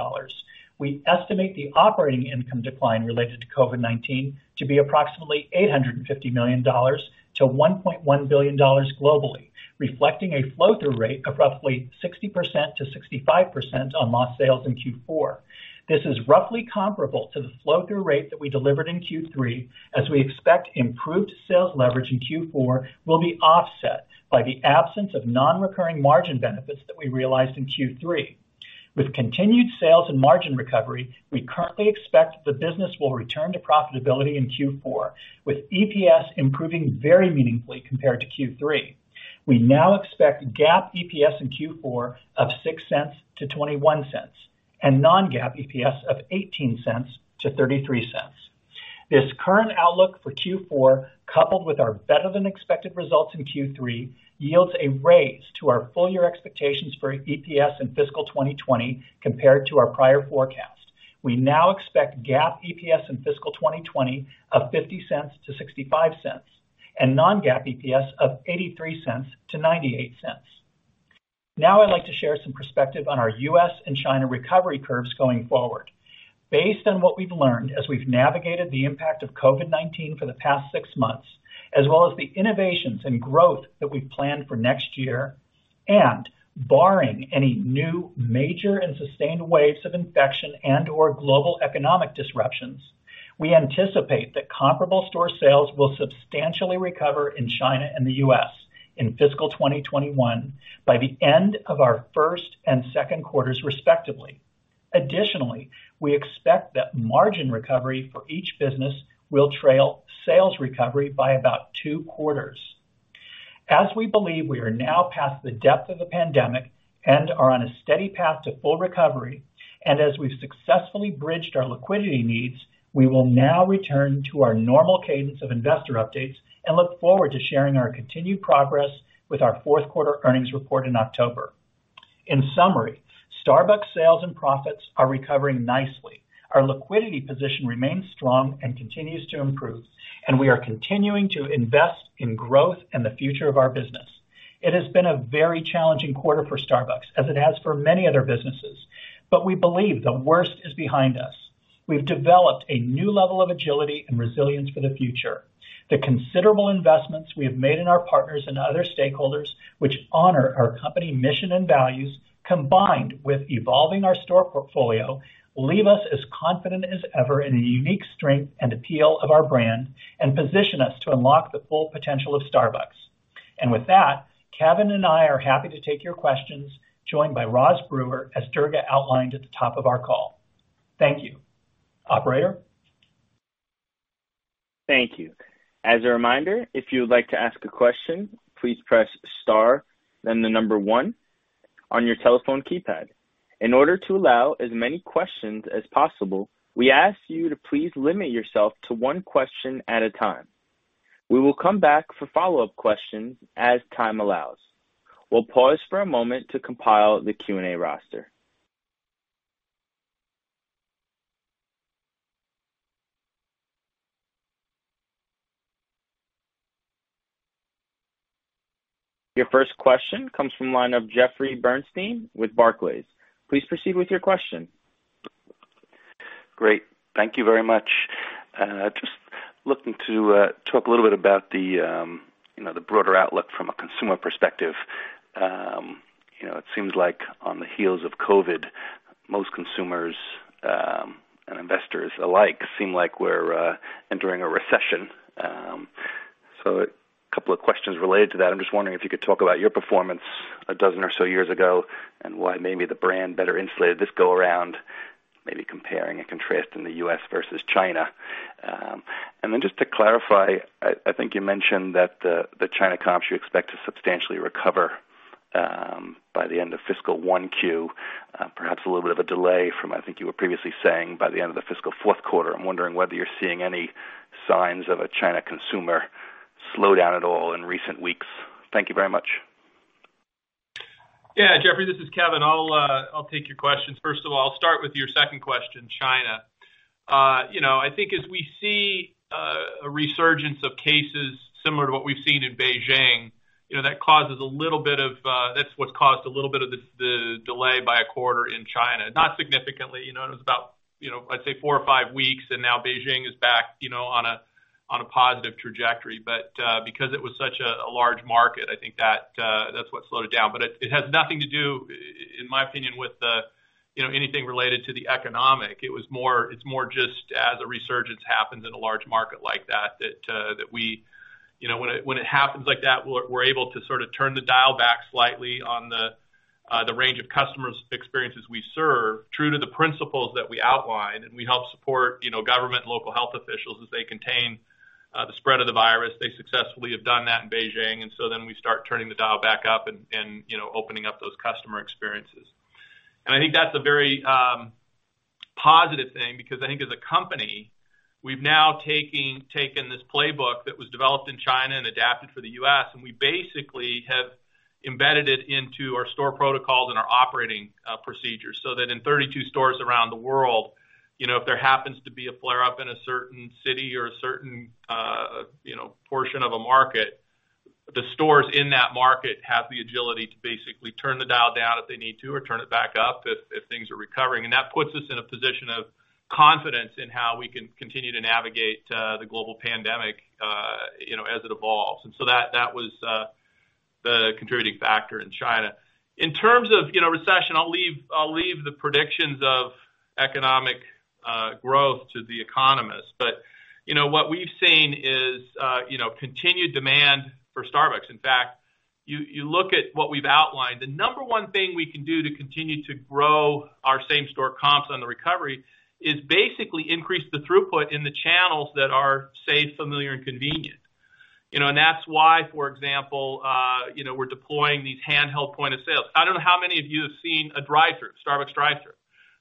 S4: We estimate the operating income decline related to COVID-19 to be approximately $850 million-$1.1 billion globally, reflecting a flow-through rate of roughly 60%-65% on lost sales in Q4. This is roughly comparable to the flow-through rate that we delivered in Q3, as we expect improved sales leverage in Q4 will be offset by the absence of non-recurring margin benefits that we realized in Q3. With continued sales and margin recovery, we currently expect the business will return to profitability in Q4, with EPS improving very meaningfully compared to Q3. We now expect GAAP EPS in Q4 of $0.06-$0.21, and non-GAAP EPS of $0.18-$0.33. This current outlook for Q4, coupled with our better-than-expected results in Q3, yields a raise to our full-year expectations for EPS in fiscal 2020 compared to our prior forecast. We now expect GAAP EPS in fiscal 2020 of $0.50-$0.65, and non-GAAP EPS of $0.83-$0.98. I'd like to share some perspective on our U.S. and China recovery curves going forward. Based on what we've learned as we've navigated the impact of COVID-19 for the past six months, as well as the innovations and growth that we've planned for next year, barring any new major and sustained waves of infection and/or global economic disruptions, we anticipate that comparable store sales will substantially recover in China and the U.S. in fiscal 2021 by the end of our first and second quarters, respectively. Additionally, we expect that margin recovery for each business will trail sales recovery by about two quarters. As we believe we are now past the depth of the pandemic and are on a steady path to full recovery, and as we've successfully bridged our liquidity needs, we will now return to our normal cadence of investor updates and look forward to sharing our continued progress with our fourth quarter earnings report in October. In summary, Starbucks sales and profits are recovering nicely. Our liquidity position remains strong and continues to improve, and we are continuing to invest in growth and the future of our business. It has been a very challenging quarter for Starbucks, as it has for many other businesses. We believe the worst is behind us. We've developed a new level of agility and resilience for the future. The considerable investments we have made in our partners and other stakeholders, which honor our company mission and values, combined with evolving our store portfolio, leave us as confident as ever in the unique strength and appeal of our brand and position us to unlock the full potential of Starbucks. With that, Kevin and I are happy to take your questions, joined by Roz Brewer, as Durga outlined at the top of our call. Thank you. Operator?
S1: Thank you. As a reminder, if you would like to ask a question, please press star, then the number one on your telephone keypad. In order to allow as many questions as possible, we ask you to please limit yourself to one question at a time. We will come back for follow-up questions as time allows. We'll pause for a moment to compile the Q&A roster. Your first question comes from the line of Jeffrey Bernstein with Barclays. Please proceed with your question.
S5: Great. Thank you very much. Just looking to talk a little bit about the broader outlook from a consumer perspective. It seems like on the heels of COVID-19, most consumers and investors alike seem like we're entering a recession. A couple of questions related to that. I'm just wondering if you could talk about your performance a dozen or so years ago, and why maybe the brand better insulated this go around, maybe comparing and contrasting the U.S. versus China. To clarify, I think you mentioned that the China comps you expect to substantially recover by the end of fiscal one Q, perhaps a little bit of a delay from, I think you were previously saying by the end of the fiscal fourth quarter. I'm wondering whether you're seeing any signs of a China consumer slowdown at all in recent weeks. Thank you very much.
S3: Yeah, Jeffrey, this is Kevin. I'll take your questions. First of all, I'll start with your second question, China. I think as we see a resurgence of cases similar to what we've seen in Beijing, that's what's caused a little bit of the delay by a quarter in China. Not significantly. It was about, let's say, four or five weeks. Now Beijing is back on a positive trajectory. Because it was such a large market, I think that's what slowed it down. It has nothing to do, in my opinion, with anything related to the economic. It's more just as a resurgence happens in a large market like that when it happens like that, we're able to sort of turn the dial back slightly on the range of customers experiences we serve, true to the principles that we outlined. We help support government and local health officials as they contain the spread of the virus. They successfully have done that in Beijing. We start turning the dial back up and opening up those customer experiences. I think that's a very positive thing because I think as a company, we've now taken this playbook that was developed in China and adapted for the U.S., and we basically have embedded it into our store protocols and our operating procedures so that in 32 stores around the world, if there happens to be a flare-up in a certain city or a certain portion of a market, the stores in that market have the agility to basically turn the dial down if they need to or turn it back up if things are recovering. That puts us in a position of confidence in how we can continue to navigate the global pandemic as it evolves. That was the contributing factor in China. In terms of recession, I'll leave the predictions of economic growth to the economists. What we've seen is continued demand for Starbucks. In fact, you look at what we've outlined. The number one thing we can do to continue to grow our same store comps on the recovery is basically increase the throughput in the channels that are safe, familiar, and convenient. That's why, for example, we're deploying these handheld point-of-sales. I don't know how many of you have seen a drive-thru, Starbucks drive-thru.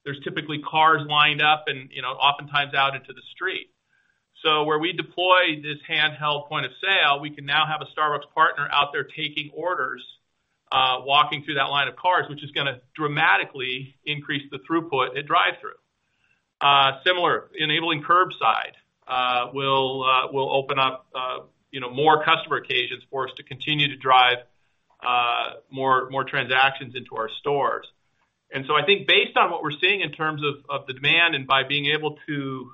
S3: There's typically cars lined up and oftentimes out into the street. Where we deploy this handheld point-of-sale, we can now have a Starbucks partner out there taking orders, walking through that line of cars, which is going to dramatically increase the throughput at drive-thru. Similar, enabling curbside will open up more customer occasions for us to continue to drive more transactions into our stores. I think based on what we're seeing in terms of the demand and by being able to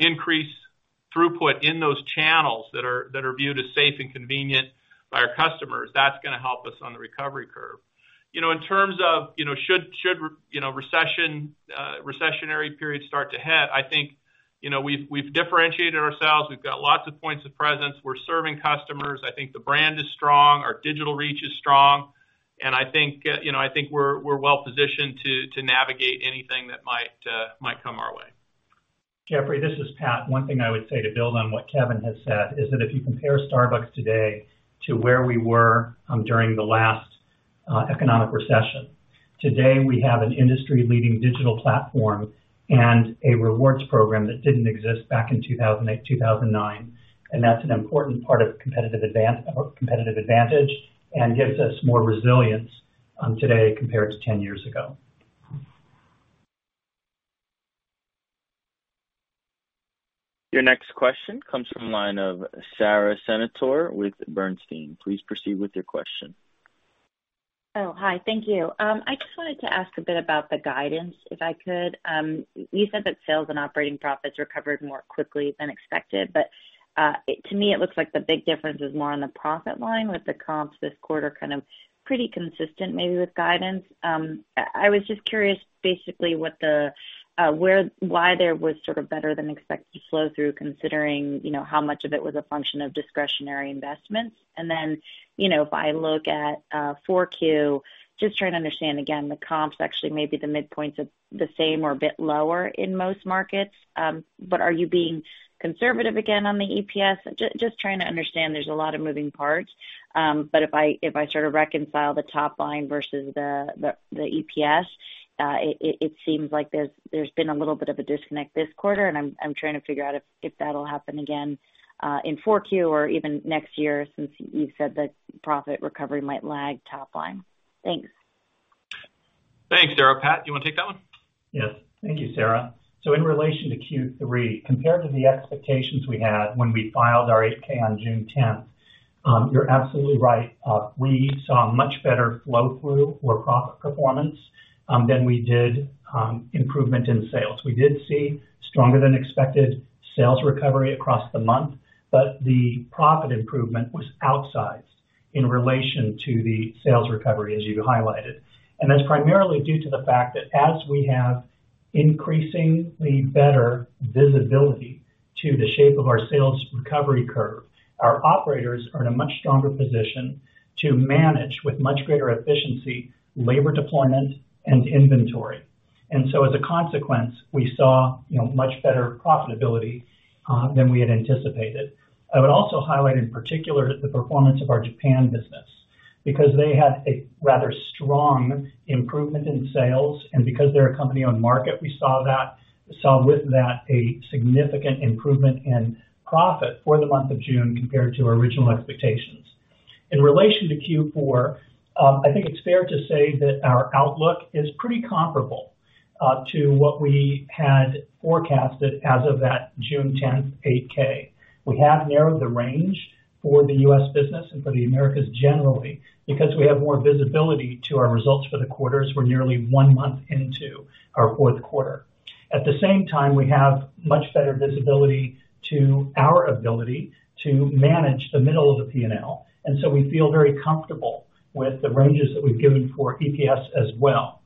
S3: increase throughput in those channels that are viewed as safe and convenient by our customers, that's going to help us on the recovery curve. In terms of should recessionary periods start to hit, I think we've differentiated ourselves. We've got lots of points of presence. We're serving customers. I think the brand is strong, our digital reach is strong, and I think we're well-positioned to navigate anything that might come our way.
S4: Jeffrey, this is Pat. One thing I would say to build on what Kevin has said is that if you compare Starbucks today to where we were during the last economic recession, today we have an industry-leading digital platform and a Rewards program that didn't exist back in 2008, 2009, and that's an important part of competitive advantage and gives us more resilience today compared to 10 years ago.
S1: Your next question comes from the line of Sara Senatore with Bernstein. Please proceed with your question.
S6: Hi. Thank you. I just wanted to ask a bit about the guidance, if I could. You said that sales and operating profits recovered more quickly than expected. To me, it looks like the big difference is more on the profit line with the comps this quarter kind of pretty consistent maybe with guidance. I was just curious basically why there was sort of better than expected flow through considering how much of it was a function of discretionary investments. If I look at 4Q, just trying to understand again, the comps, actually maybe the midpoints of the same or a bit lower in most markets. Are you being conservative again on the EPS? Just trying to understand. There's a lot of moving parts. If I sort of reconcile the top line versus the EPS, it seems like there's been a little bit of a disconnect this quarter, and I'm trying to figure out if that'll happen again, in 4Q or even next year, since you said that profit recovery might lag top line. Thanks.
S3: Thanks, Sarah. Pat, do you want to take that one?
S4: Yes. Thank you, Sara. In relation to Q3, compared to the expectations we had when we filed our 8-K on June 10th, you're absolutely right. We saw much better flow through for profit performance than we did improvement in sales. We did see stronger than expected sales recovery across the month, but the profit improvement was outsized in relation to the sales recovery, as you highlighted. That's primarily due to the fact that as we have increasingly better visibility to the shape of our sales recovery curve, our operators are in a much stronger position to manage, with much greater efficiency, labor deployment and inventory. As a consequence, we saw much better profitability than we had anticipated. I would also highlight, in particular, the performance of our Japan business, because they had a rather strong improvement in sales, and because they're a company on market, we saw with that a significant improvement in profit for the month of June compared to our original expectations. In relation to Q4, I think it's fair to say that our outlook is pretty comparable to what we had forecasted as of that June 10th 8-K. We have narrowed the range for the U.S. business and for the Americas generally because we have more visibility to our results for the quarters. We're nearly one month into our fourth quarter. At the same time, we have much better visibility to our ability to manage the middle of the P&L. We feel very comfortable with the ranges that we've given for EPS as well.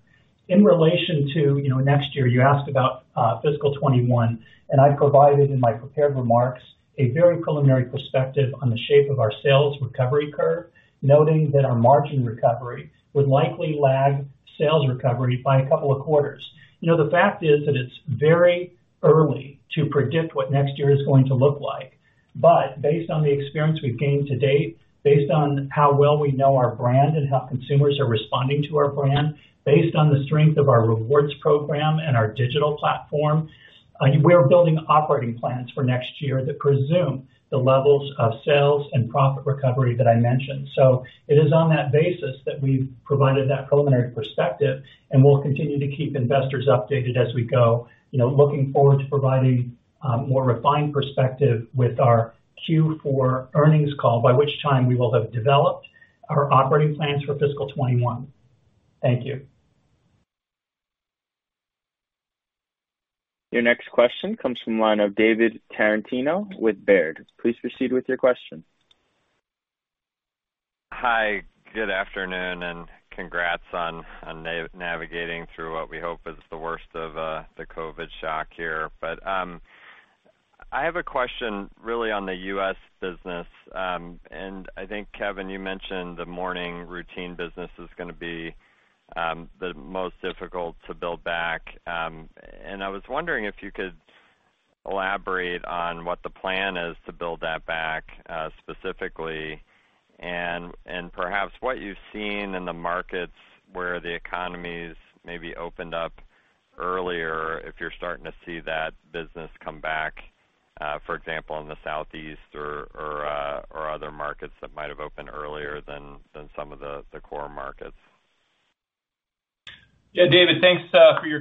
S4: In relation to next year, you asked about fiscal 2021, I provided in my prepared remarks a very preliminary perspective on the shape of our sales recovery curve, noting that our margin recovery would likely lag sales recovery by a couple of quarters. The fact is that it's very early to predict what next year is going to look like. Based on the experience we've gained to date, based on how well we know our brand and how consumers are responding to our brand, based on the strength of our Rewards program and our digital platform, we are building operating plans for next year that presume the levels of sales and profit recovery that I mentioned. It is on that basis that we've provided that preliminary perspective, we'll continue to keep investors updated as we go. Looking forward to providing a more refined perspective with our Q4 earnings call, by which time we will have developed our operating plans for fiscal 2021. Thank you.
S1: Your next question comes from the line of David Tarantino with Baird. Please proceed with your question.
S7: Hi, good afternoon. Congrats on navigating through what we hope is the worst of the COVID-19 shock here. I have a question really on the U.S. business. I think, Kevin, you mentioned the morning routine business is going to be the most difficult to build back. I was wondering if you could elaborate on what the plan is to build that back, specifically. Perhaps what you've seen in the markets where the economies maybe opened up earlier, if you're starting to see that business come back, for example, in the Southeast or other markets that might have opened earlier than some of the core markets.
S3: Yeah, David, thanks for your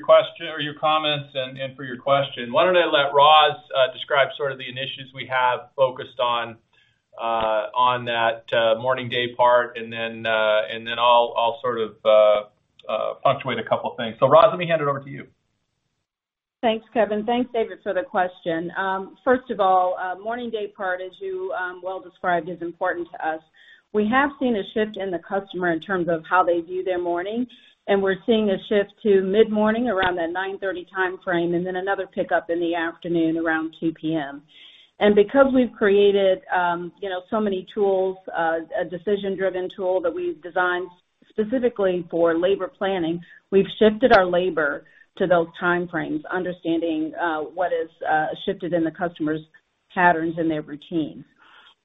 S3: comments and for your question. Why don't I let Roz describe sort of the initiatives we have focused on that morning daypart, and then I'll sort of punctuate a couple of things. Roz, let me hand it over to you.
S8: Thanks, Kevin. Thanks, David, for the question. First of all, morning daypart, as you well described, is important to us. We have seen a shift in the customer in terms of how they view their morning, and we're seeing a shift to mid-morning around that 9:30 A.M. timeframe, and then another pickup in the afternoon around 2:00 P.M. Because we've created so many tools, a decision-driven tool that we've designed specifically for labor planning, we've shifted our labor to those timeframes, understanding what has shifted in the customer's patterns and their routine.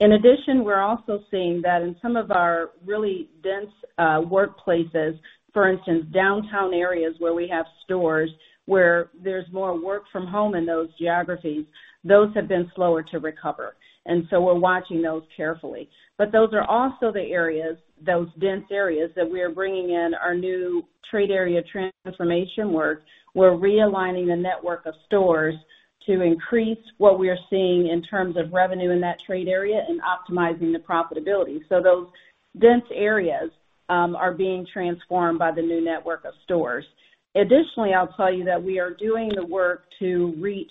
S8: In addition, we're also seeing that in some of our really dense workplaces, for instance, downtown areas where we have stores where there's more work from home in those geographies, those have been slower to recover. So we're watching those carefully. Those are also the areas, those dense areas, that we are bringing in our new trade area transformation work. We're realigning the network of stores to increase what we are seeing in terms of revenue in that trade area and optimizing the profitability. Those dense areas are being transformed by the new network of stores. Additionally, I'll tell you that we are doing the work to reach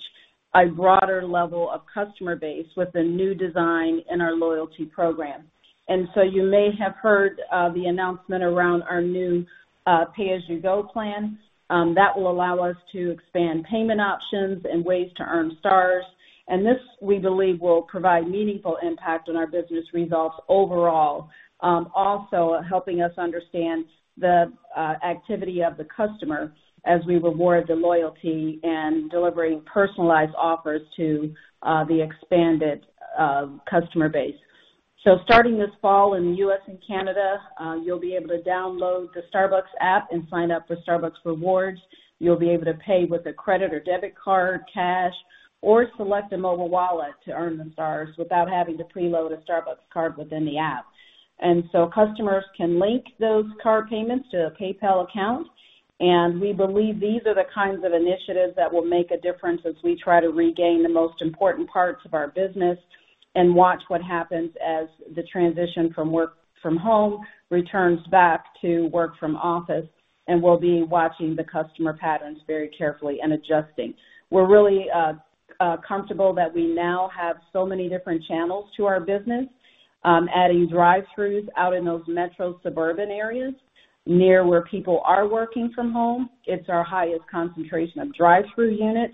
S8: a broader level of customer base with the new design in our loyalty program. You may have heard the announcement around our new pay-as-you-go plan. That will allow us to expand payment options and ways to earn stars. This, we believe, will provide meaningful impact on our business results overall. Also helping us understand the activity of the customer as we reward the loyalty and delivering personalized offers to the expanded customer base. Starting this fall in the U.S. and Canada, you'll be able to download the Starbucks app and sign up for Starbucks Rewards. You'll be able to pay with a credit or debit card, cash, or select a mobile wallet to earn the stars without having to preload a Starbucks card within the app. Customers can link those card payments to a PayPal account. We believe these are the kinds of initiatives that will make a difference as we try to regain the most important parts of our business and watch what happens as the transition from work from home returns back to work from office, and we'll be watching the customer patterns very carefully and adjusting. We're really comfortable that we now have so many different channels to our business, adding drive-throughs out in those metro suburban areas near where people are working from home. It's our highest concentration of drive-through units.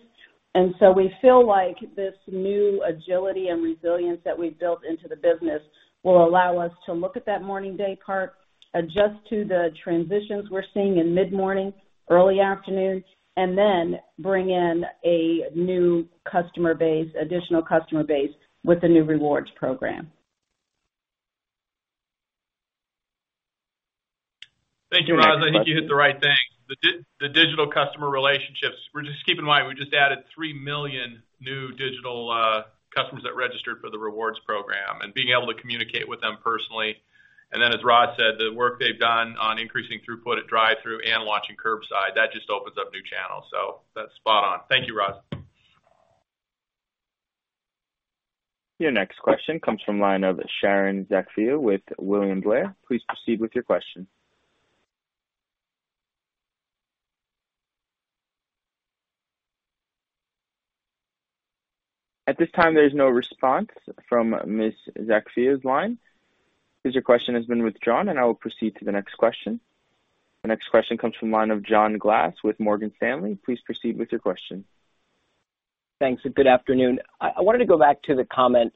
S8: We feel like this new agility and resilience that we've built into the business will allow us to look at that morning day part, adjust to the transitions we're seeing in mid-morning, early afternoon, and then bring in a new customer base, additional customer base with the new Rewards program.
S3: Thank you, Roz. I think you hit the right thing, the digital customer relationships. Just keep in mind, we just added 3 million new digital customers that registered for the Starbucks Rewards program, and being able to communicate with them personally. As Roz said, the work they've done on increasing throughput at drive-through and launching curbside, that just opens up new channels. That's spot on. Thank you, Roz.
S1: Your next question comes from line of Sharon Zackfia with William Blair. Please proceed with your question. At this time, there's no response from Ms. Zackfia's line. Guess your question has been withdrawn, and I will proceed to the next question. The next question comes from line of John Glass with Morgan Stanley. Please proceed with your question.
S9: Thanks, good afternoon. I wanted to go back to the comment,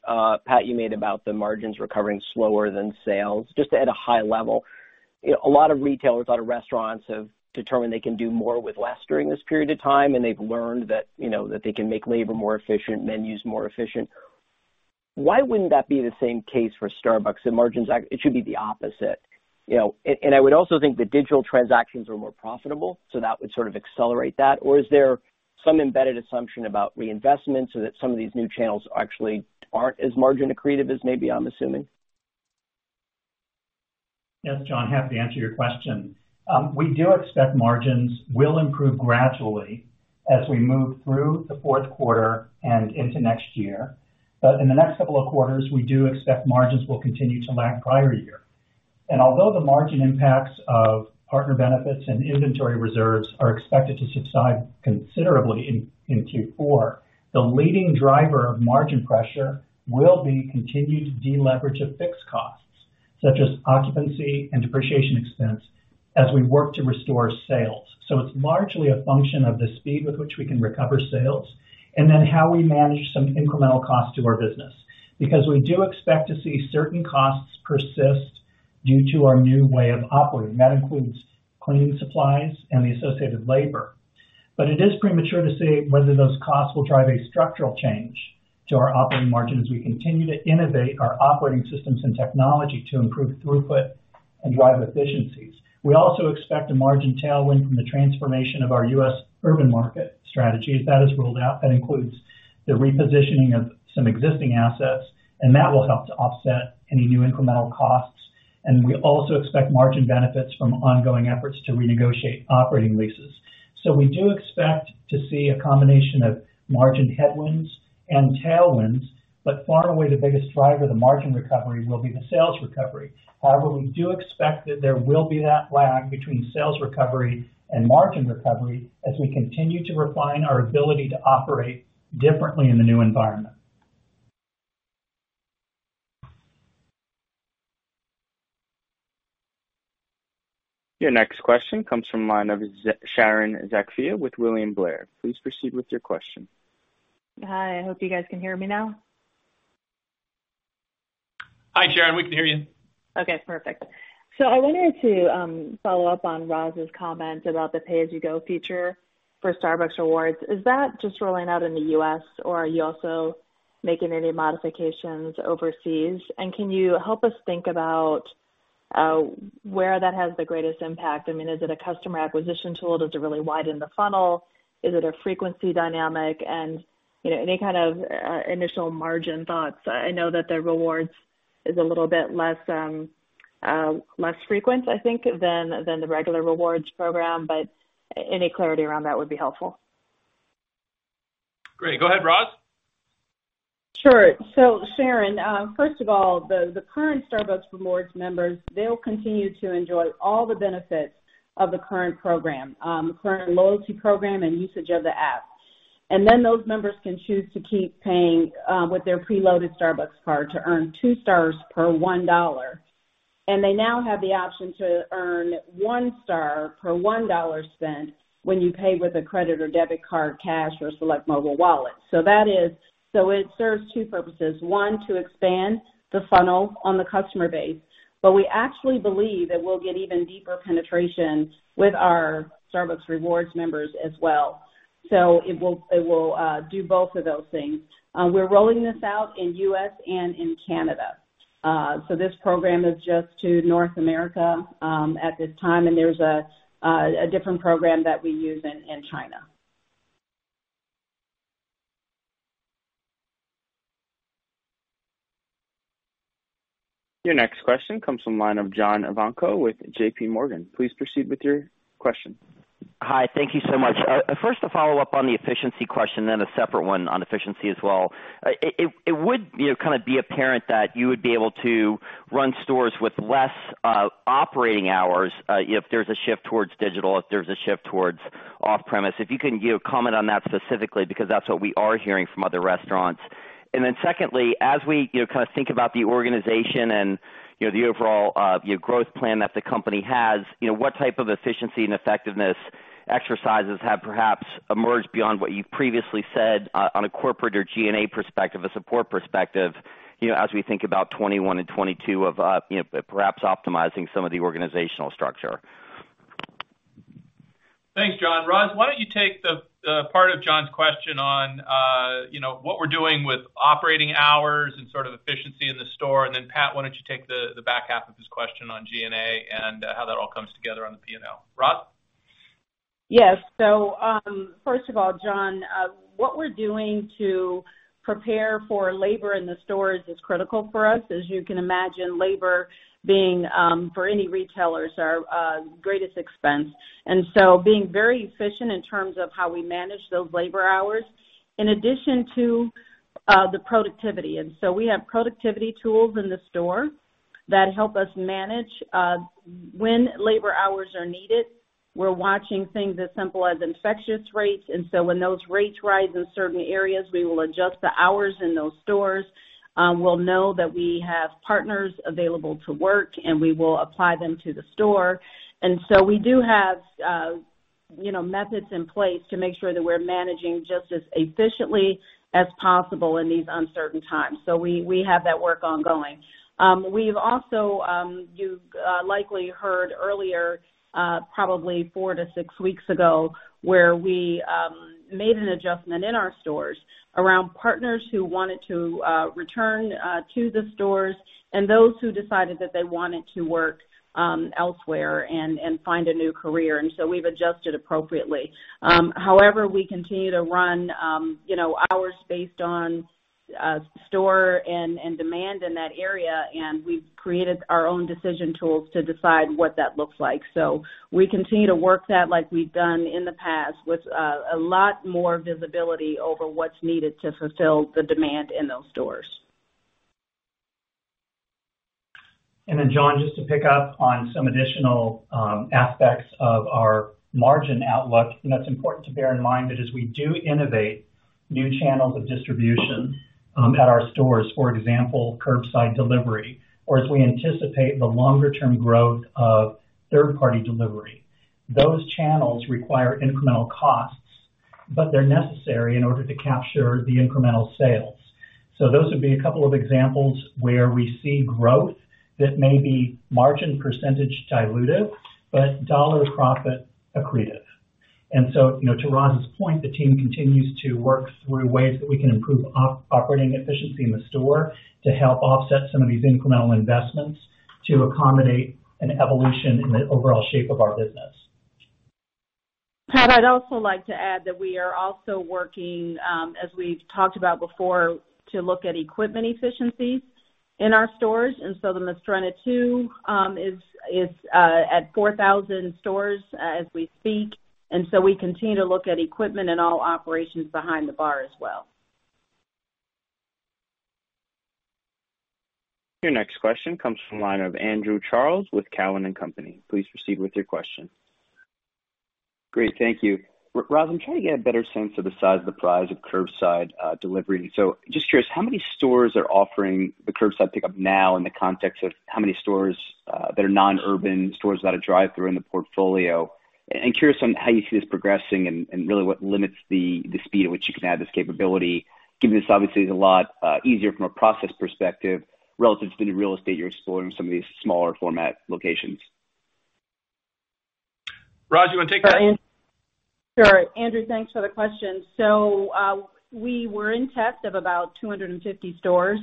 S9: Pat, you made about the margins recovering slower than sales, just at a high level. A lot of retailers, a lot of restaurants have determined they can do more with less during this period of time, and they've learned that they can make labor more efficient, menus more efficient. Why wouldn't that be the same case for Starbucks? The margins act, it should be the opposite. I would also think the digital transactions are more profitable, so that would sort of accelerate that. Is there some embedded assumption about reinvestment so that some of these new channels actually aren't as margin accretive as maybe I'm assuming?
S4: Yes, John. Happy to answer your question. We do expect margins will improve gradually as we move through the fourth quarter and into next year. In the next couple of quarters, we do expect margins will continue to lag prior year. Although the margin impacts of partner benefits and inventory reserves are expected to subside considerably in Q4, the leading driver of margin pressure will be continued deleverage of fixed costs, such as occupancy and depreciation expense, as we work to restore sales. It's largely a function of the speed with which we can recover sales, and then how we manage some incremental cost to our business. Because we do expect to see certain costs persist due to our new way of operating. That includes cleaning supplies and the associated labor. It is premature to say whether those costs will drive a structural change to our operating margin as we continue to innovate our operating systems and technology to improve throughput and drive efficiencies. We also expect a margin tailwind from the transformation of our U.S. urban market strategy. As that is rolled out, that includes the repositioning of some existing assets, and that will help to offset any new incremental costs. We also expect margin benefits from ongoing efforts to renegotiate operating leases. We do expect to see a combination of margin headwinds and tailwinds, but far and away, the biggest driver of the margin recovery will be the sales recovery. However, we do expect that there will be that lag between sales recovery and margin recovery as we continue to refine our ability to operate differently in the new environment.
S1: Your next question comes from line of Sharon Zackfia with William Blair. Please proceed with your question.
S8: Hi, I hope you guys can hear me now.
S3: Hi, Sharon, we can hear you.
S8: I wanted to follow up on Roz's comment about the pay-as-you-go feature for Starbucks Rewards. Is that just rolling out in the U.S., or are you also making any modifications overseas? Can you help us think about where that has the greatest impact? Is it a customer acquisition tool? Does it really widen the funnel? Is it a frequency dynamic? Any kind of initial margin thoughts. I know that the rewards is a little bit less frequent, I think, than the regular rewards program, but any clarity around that would be helpful.
S3: Great. Go ahead, Roz.
S8: Sure. Sharon, first of all, the current Starbucks Rewards members, they'll continue to enjoy all the benefits of the current program, the current loyalty program, and usage of the app. Those members can choose to keep paying with their preloaded Starbucks card to earn two stars per $1. They now have the option to earn one star per $1 spent when you pay with a credit or debit card, cash, or select mobile wallet. It serves two purposes. One, to expand the funnel on the customer base. We actually believe that we'll get even deeper penetration with our Starbucks Rewards members as well. It will do both of those things. We're rolling this out in U.S. and in Canada. This program is just to North America, at this time, and there's a different program that we use in China.
S1: Your next question comes from line of John Ivankoe with JP Morgan. Please proceed with your question.
S10: Hi. Thank you so much. First, a follow-up on the efficiency question, then a separate one on efficiency as well. It would kind of be apparent that you would be able to run stores with less operating hours, if there's a shift towards digital, if there's a shift towards off-premise. If you can comment on that specifically, because that's what we are hearing from other restaurants. Secondly, as we kind of think about the organization and the overall growth plan that the company has, what type of efficiency and effectiveness exercises have perhaps emerged beyond what you've previously said on a corporate or G&A perspective, a support perspective, as we think about 2021 and 2022 of perhaps optimizing some of the organizational structure?
S3: Thanks, John. Roz, why don't you take the part of John's question on what we're doing with operating hours and sort of efficiency in the store. Then Pat, why don't you take the back half of his question on G&A and how that all comes together on the P&L. Roz?
S8: Yes. First of all, John, what we're doing to prepare for labor in the stores is critical for us, as you can imagine, labor being, for any retailers, our greatest expense. Being very efficient in terms of how we manage those labor hours in addition to the productivity. We have productivity tools in the store that help us manage when labor hours are needed. We're watching things as simple as infectious rates, and so when those rates rise in certain areas, we will adjust the hours in those stores. We'll know that we have partners available to work, and we will apply them to the store. We do have methods in place to make sure that we're managing just as efficiently as possible in these uncertain times. We have that work ongoing. You've likely heard earlier, probably four to six weeks ago, where we made an adjustment in our stores around partners who wanted to return to the stores and those who decided that they wanted to work elsewhere and find a new career. We've adjusted appropriately. However, we continue to run hours based on store and demand in that area, and we've created our own decision tools to decide what that looks like. We continue to work that like we've done in the past with a lot more visibility over what's needed to fulfill the demand in those stores.
S4: John, just to pick up on some additional aspects of our margin outlook, that's important to bear in mind that as we do innovate new channels of distribution at our stores, for example, curbside delivery, or as we anticipate the longer- term growth of third party delivery, those channels require incremental costs, but they're necessary in order to capture the incremental sales. Those would be a couple of examples where we see growth that may be margin percentage dilutive, but dollar profit accretive. To Roz's point, the team continues to work through ways that we can improve operating efficiency in the store to help offset some of these incremental investments to accommodate an evolution in the overall shape of our business.
S8: Pat, I'd also like to add that we are also working, as we've talked about before, to look at equipment efficiencies in our stores. The Mastrena II is at 4,000 stores as we speak, and so we continue to look at equipment and all operations behind the bar as well.
S1: Your next question comes from line of Andrew Charles with Cowen and Company. Please proceed with your question.
S11: Great. Thank you. Roz, I'm trying to get a better sense of the size of the prize of curbside delivery. Just curious, how many stores are offering the curbside pickup now in the context of how many stores that are non-urban stores without a drive-through in the portfolio? Curious on how you see this progressing and really what limits the speed at which you can add this capability, given this obviously is a lot easier from a process perspective relative to any real estate you're exploring some of these smaller format locations.
S3: Roz, you want to take that?
S8: Sure. Andrew, thanks for the question. We were in test of about 250 stores.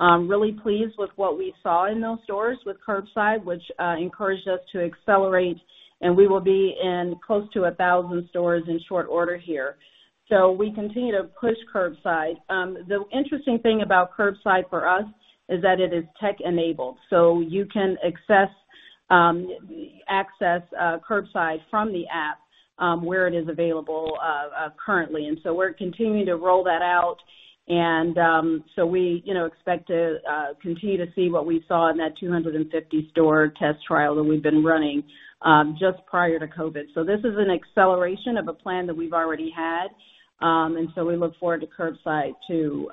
S8: Really pleased with what we saw in those stores with curbside, which encouraged us to accelerate, and we will be in close to 1,000 stores in short order here. We continue to push curbside. The interesting thing about curbside for us is that it is tech enabled, so you can Access curbside from the app, where it is available currently. We're continuing to roll that out. We expect to continue to see what we saw in that 250 store test trial that we've been running just prior to COVID. This is an acceleration of a plan that we've already had. We look forward to curbside to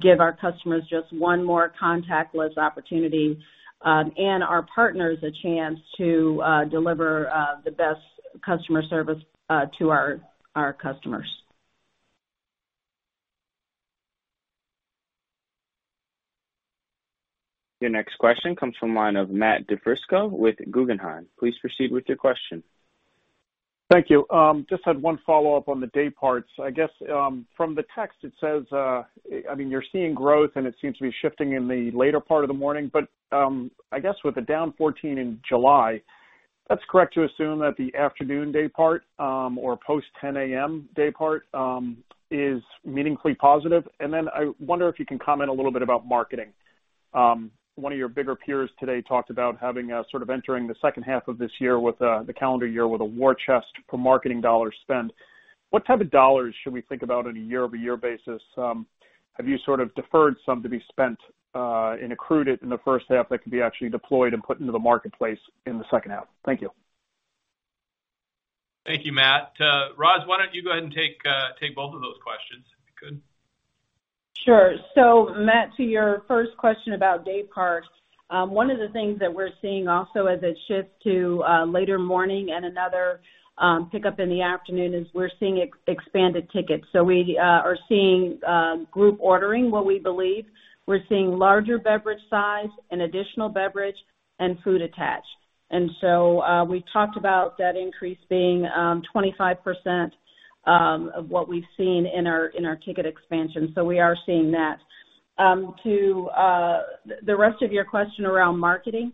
S8: give our customers just one more contactless opportunity, and our partners a chance to deliver the best customer service to our customers.
S1: Your next question comes from the line of Matt DiFrisco with Guggenheim. Please proceed with your question.
S12: Thank you. Just had one follow-up on the dayparts. I guess from the text, it says you're seeing growth, and it seems to be shifting in the later part of the morning. I guess with the down 14% in July, that's correct to assume that the afternoon daypart, or post 10:00 A.M. daypart, is meaningfully positive? I wonder if you can comment a little bit about marketing. One of your bigger peers today talked about sort of entering the second half of this year, the calendar year, with a war chest for marketing dollar spend. What type of dollars should we think about on a year-over-year basis? Have you sort of deferred some to be spent, and accrued it in the first half that could be actually deployed and put into the marketplace in the second half? Thank you.
S3: Thank you, Matt. Roz, why don't you go ahead and take both of those questions, if you could.
S8: Sure. Matt, to your first question about day parts. One of the things that we're seeing also as it shifts to later morning and another pickup in the afternoon is we're seeing expanded tickets. We are seeing group ordering, what we believe. We're seeing larger beverage size, an additional beverage, and food attached. We talked about that increase being 25% of what we've seen in our ticket expansion, so we are seeing that. To the rest of your question around marketing,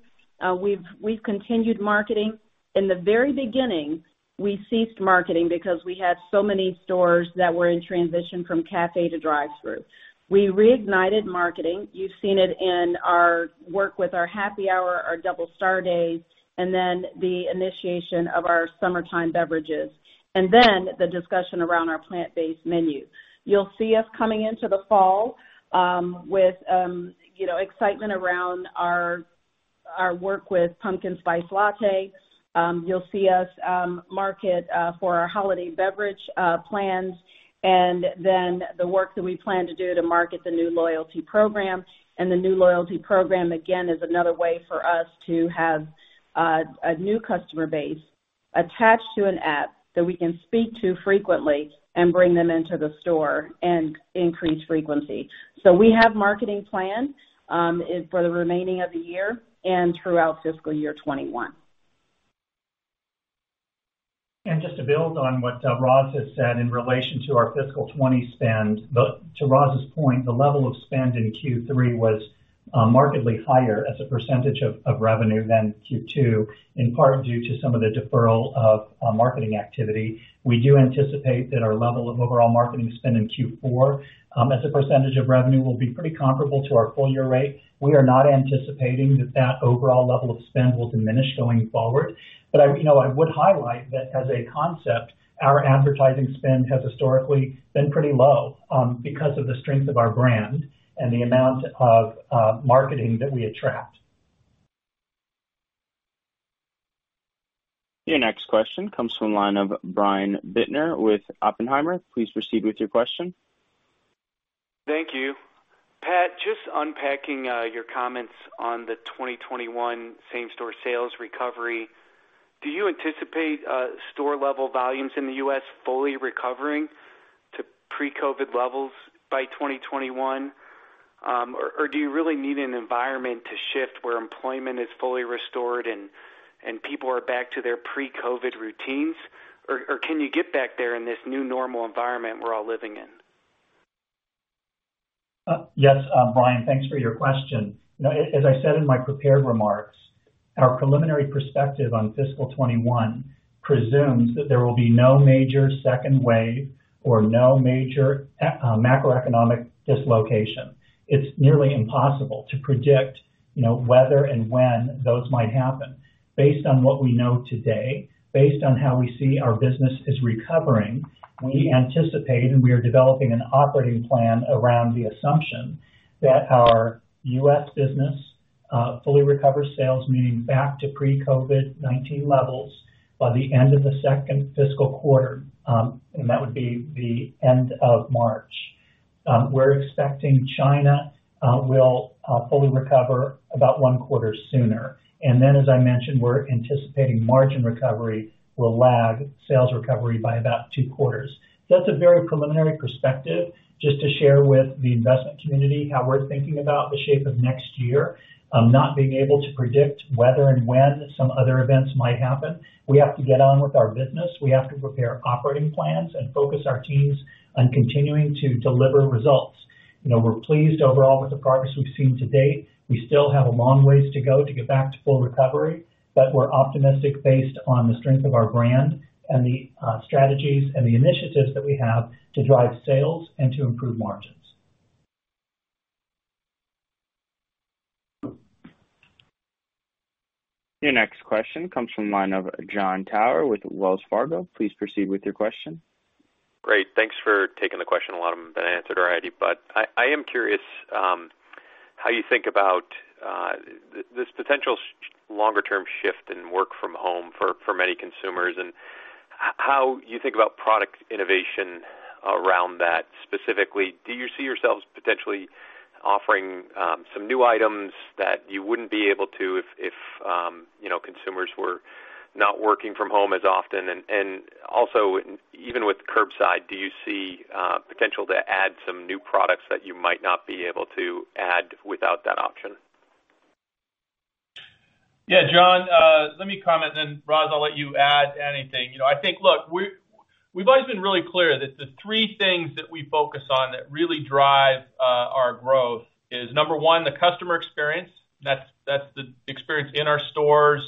S8: we've continued marketing. In the very beginning, we ceased marketing because we had so many stores that were in transition from cafe to drive-through. We reignited marketing. You've seen it in our work with our happy hour, our Double Star Days, and then the initiation of our summertime beverages. The discussion around our plant-based menu. You'll see us coming into the fall with excitement around our work with Pumpkin Spice Latte. You'll see us market for our holiday beverage plans, and then the work that we plan to do to market the new loyalty program. The new loyalty program, again, is another way for us to have a new customer base attached to an app that we can speak to frequently and bring them into the store and increase frequency. We have marketing plans for the remaining of the year and throughout fiscal year 2021.
S4: Just to build on what Roz has said in relation to our fiscal 2020 spend. To Roz's point, the level of spend in Q3 was markedly higher as a percentage of revenue than Q2, in part due to some of the deferral of marketing activity. We do anticipate that our level of overall marketing spend in Q4 as a percentage of revenue will be pretty comparable to our full-year rate. We are not anticipating that that overall level of spend will diminish going forward. I would highlight that as a concept, our advertising spend has historically been pretty low because of the strength of our brand and the amount of marketing that we attract.
S1: Your next question comes from the line of Brian Bittner with Oppenheimer. Please proceed with your question.
S13: Thank you. Pat, just unpacking your comments on the 2021 same-store sales recovery. Do you anticipate store level volumes in the U.S. fully recovering to pre-COVID-19 levels by 2021? Do you really need an environment to shift where employment is fully restored and people are back to their pre-COVID-19 routines? Can you get back there in this new normal environment we're all living in?
S4: Yes. Brian, thanks for your question. As I said in my prepared remarks, our preliminary perspective on fiscal 2021 presumes that there will be no major second wave or no major macroeconomic dislocation. It's nearly impossible to predict whether and when those might happen. Based on what we know today, based on how we see our business is recovering, we anticipate, and we are developing an operating plan around the assumption, that our U.S. business fully recover sales, meaning back to pre-COVID-19 levels, by the end of the second fiscal quarter, and that would be the end of March. We're expecting China will fully recover about one quarter sooner. Then as I mentioned, we're anticipating margin recovery will lag sales recovery by about two quarters. That's a very preliminary perspective just to share with the investment community how we're thinking about the shape of next year. Not being able to predict whether and when some other events might happen. We have to get on with our business. We have to prepare operating plans and focus our teams on continuing to deliver results. We're pleased overall with the progress we've seen to date. We still have a long ways to go to get back to full recovery, but we're optimistic based on the strength of our brand and the strategies and the initiatives that we have to drive sales and to improve margins.
S1: Your next question comes from the line of Jon Tower with Wells Fargo. Please proceed with your question.
S14: Great. Thanks for taking the question. A lot of them have been answered already. I am curious how you think about this potential longer-term shift in work from home for many consumers, and how you think about product innovation around that. Specifically, do you see yourselves potentially offering some new items that you wouldn't be able to if consumers were not working from home as often? Also, even with curbside, do you see potential to add some new products that you might not be able to add without that option?
S3: John, let me comment then, Roz, I'll let you add anything. I think, look, we've always been really clear that the three things that we focus on that really drive our growth is, number one, the customer experience. That's the experience in our stores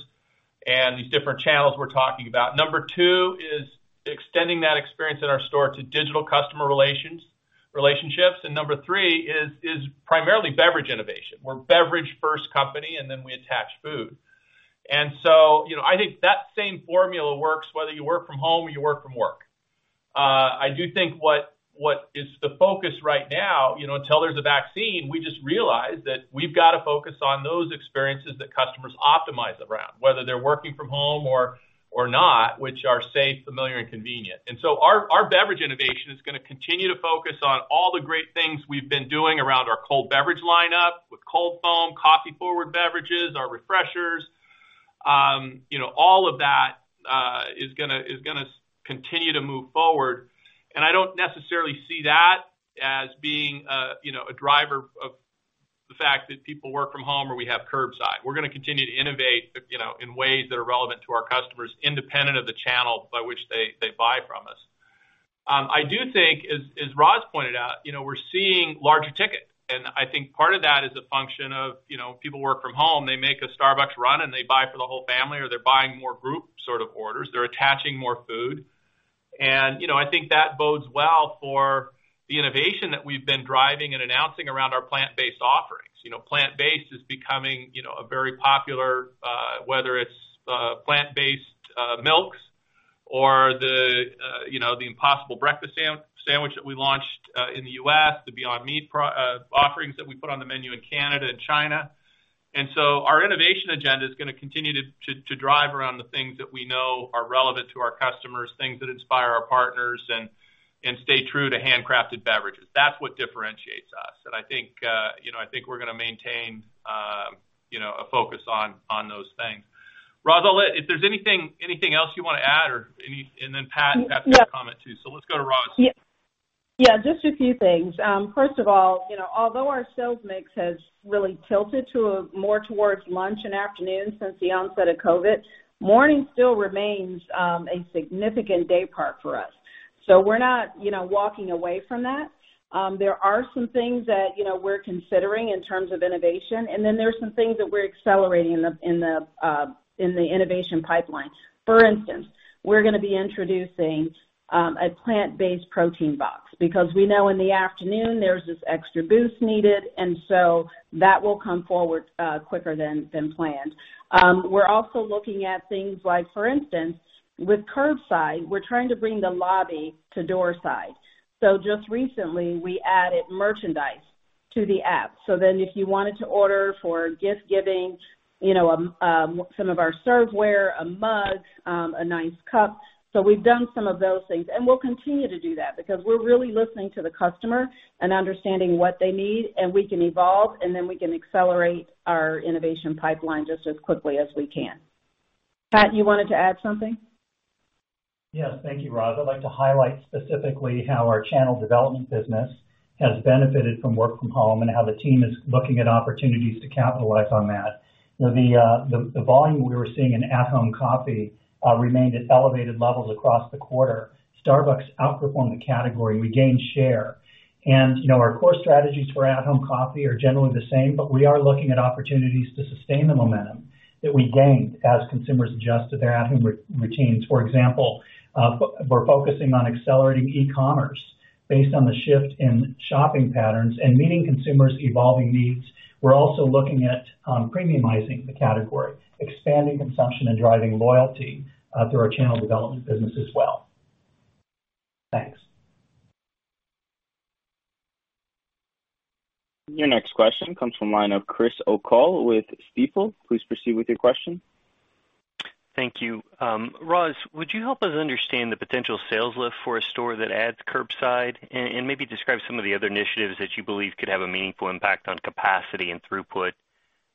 S3: and these different channels we're talking about. Number two is extending that experience in our store to digital customer relationships. Number three is primarily beverage innovation. We're a beverage first company, and then we attach food. I think that same formula works whether you work from home or you work from work. I do think what is the focus right now, until there's a vaccine, we just realized that we've got to focus on those experiences that customers optimize around, whether they're working from home or not, which are safe, familiar, and convenient. Our beverage innovation is going to continue to focus on all the great things we've been doing around our cold beverage lineup with cold foam, coffee-forward beverages, our refreshers. All of that is going to continue to move forward, and I don't necessarily see that as being a driver of the fact that people work from home or we have curbside. We're going to continue to innovate in ways that are relevant to our customers, independent of the channel by which they buy from us. I do think, as Roz pointed out, we're seeing larger ticket, and I think part of that is a function of people work from home, they make a Starbucks run, and they buy for the whole family, or they're buying more group sort of orders. They're attaching more food. I think that bodes well for the innovation that we've been driving and announcing around our plant-based offerings. Plant-based is becoming very popular, whether it's plant-based milks or the Impossible Breakfast Sandwich that we launched in the U.S., the Beyond Meat offerings that we put on the menu in Canada and China. Our innovation agenda is going to continue to drive around the things that we know are relevant to our customers, things that inspire our partners, and stay true to handcrafted beverages. That's what differentiates us. I think we're going to maintain a focus on those things. Roz, if there's anything else you want to add, and then Pat has a comment too. Let's go to Roz.
S8: Yeah, just a few things. First of all, although our sales mix has really tilted more towards lunch and afternoon since the onset of COVID-19, morning still remains a significant day part for us. We're not walking away from that. There are some things that we're considering in terms of innovation, and then there's some things that we're accelerating in the innovation pipeline. For instance, we're going to be introducing a plant-based protein box because we know in the afternoon there's this extra boost needed, and so that will come forward quicker than planned. We're also looking at things like, for instance, with curbside, we're trying to bring the lobby to door side. Just recently, we added merchandise to the app if you wanted to order for gift-giving, some of our serve ware, a mug, a nice cup. We've done some of those things, and we'll continue to do that because we're really listening to the customer and understanding what they need, and we can evolve, and then we can accelerate our innovation pipeline just as quickly as we can. Pat, you wanted to add something?
S4: Yes. Thank you, Roz. I'd like to highlight specifically how our channel development business has benefited from work from home and how the team is looking at opportunities to capitalize on that. The volume we were seeing in at-home coffee remained at elevated levels across the quarter. Starbucks outperformed the category. We gained share. Our core strategies for at-home coffee are generally the same, but we are looking at opportunities to sustain the momentum that we gained as consumers adjusted their at-home routines. For example, we're focusing on accelerating e-commerce based on the shift in shopping patterns and meeting consumers' evolving needs. We're also looking at premiumizing the category, expanding consumption, and driving loyalty through our channel development business as well. Thanks.
S1: Your next question comes from the line of Chris O'Cull with Stifel. Please proceed with your question.
S15: Thank you. Roz, would you help us understand the potential sales lift for a store that adds curbside? Maybe describe some of the other initiatives that you believe could have a meaningful impact on capacity and throughput.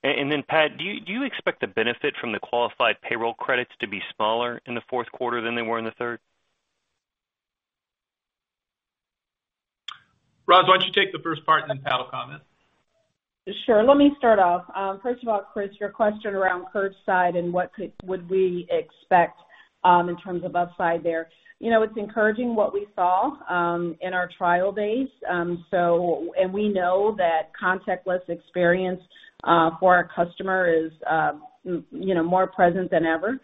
S15: Pat, do you expect the benefit from the qualified payroll credits to be smaller in the fourth quarter than they were in the third?
S3: Roz, why don't you take the first part, and then Pat will comment.
S8: Sure. Let me start off. First of all, Chris, your question around curbside and what would we expect in terms of upside there. It's encouraging what we saw in our trial days. We know that contactless experience for our customer is more present than ever.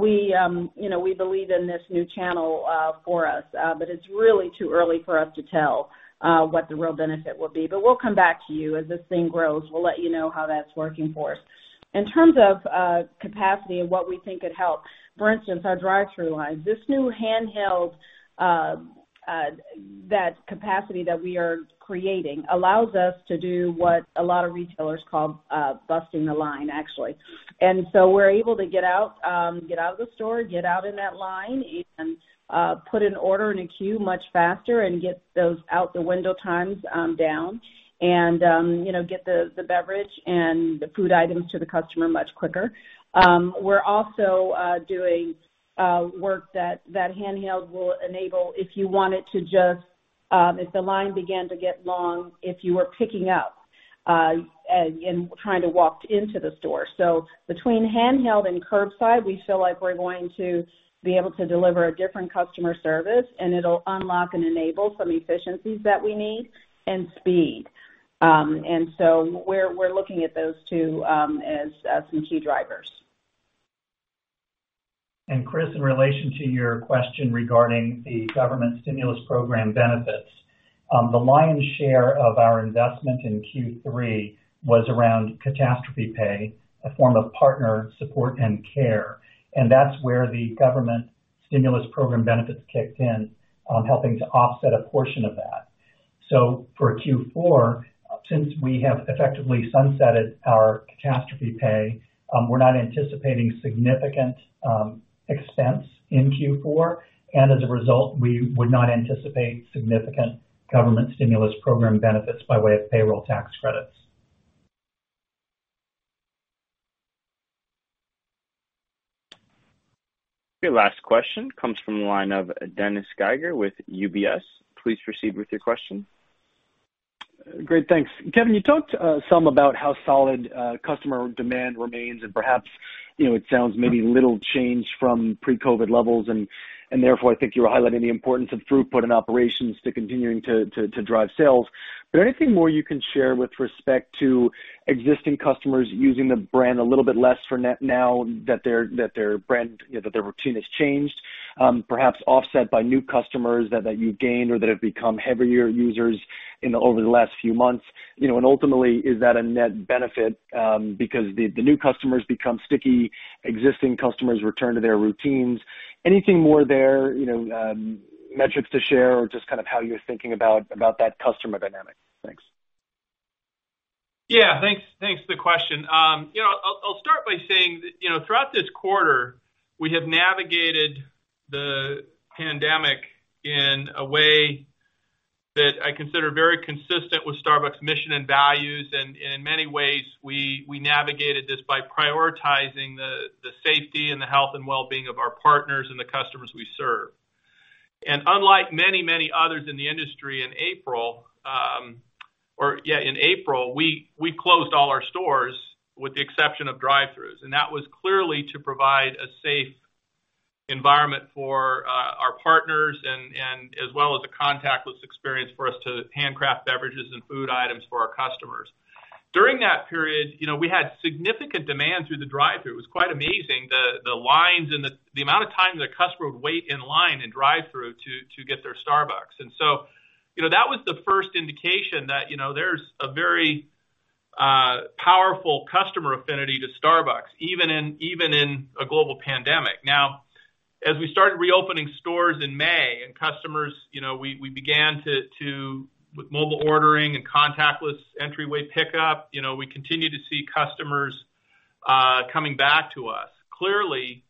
S8: We believe in this new channel for us. It's really too early for us to tell what the real benefit will be. We'll come back to you. As this thing grows, we'll let you know how that's working for us. In terms of capacity and what we think could help. For instance, our drive-through lines. This new handheld, that capacity that we are creating allows us to do what a lot of retailers call busting the line, actually. We're able to get out of the store, get out in that line, and put an order in a queue much faster and get those out the window times down, and get the beverage and the food items to the customer much quicker. We're also doing work that handheld will enable if you wanted to just, if the line began to get long, if you were picking up, and kind of walked into the store. Between handheld and curbside, we feel like we're going to be able to deliver a different customer service, and it'll unlock and enable some efficiencies that we need and speed. We're looking at those two as some key drivers.
S4: Chris, in relation to your question regarding the government stimulus program benefits. The lion's share of our investment in Q3 was around catastrophe pay, a form of partner support and care. That's where the government stimulus program benefits kicked in, helping to offset a portion of that. For Q4, since we have effectively sunsetted our catastrophe pay, we're not anticipating significant expense in Q4. As a result, we would not anticipate significant government stimulus program benefits by way of payroll tax credits.
S1: Your last question comes from the line of Dennis Geiger with UBS. Please proceed with your question.
S16: Great. Thanks. Kevin, you talked some about how solid customer demand remains and perhaps, it sounds maybe little change from pre-COVID-19 levels, and therefore, I think you were highlighting the importance of throughput and operations to continuing to drive sales. Anything more you can share with respect to existing customers using the brand a little bit less for now that their routine has changed, perhaps offset by new customers that you've gained or that have become heavier users over the last few months, and ultimately, is that a net benefit because the new customers become sticky, existing customers return to their routines. Anything more there, metrics to share or just kind of how you're thinking about that customer dynamic? Thanks.
S3: Yeah. Thanks for the question. I'll start by saying that, throughout this quarter, we have navigated the pandemic in a way that I consider very consistent with Starbucks' mission and values. In many ways, we navigated this by prioritizing the safety and the health and wellbeing of our partners and the customers we serve. Unlike many, many others in the industry in April, we closed all our stores with the exception of drive-throughs. That was clearly to provide a safe environment for our partners and as well as a contactless experience for us to handcraft beverages and food items for our customers. During that period, we had significant demand through the drive-through. It was quite amazing the lines and the amount of time that a customer would wait in line in drive-through to get their Starbucks. That was the first indication that there's a very powerful customer affinity to Starbucks, even in a global pandemic. As we started reopening stores in May with mobile ordering and contactless entryway pickup, we continued to see customers coming back to us. Clearly,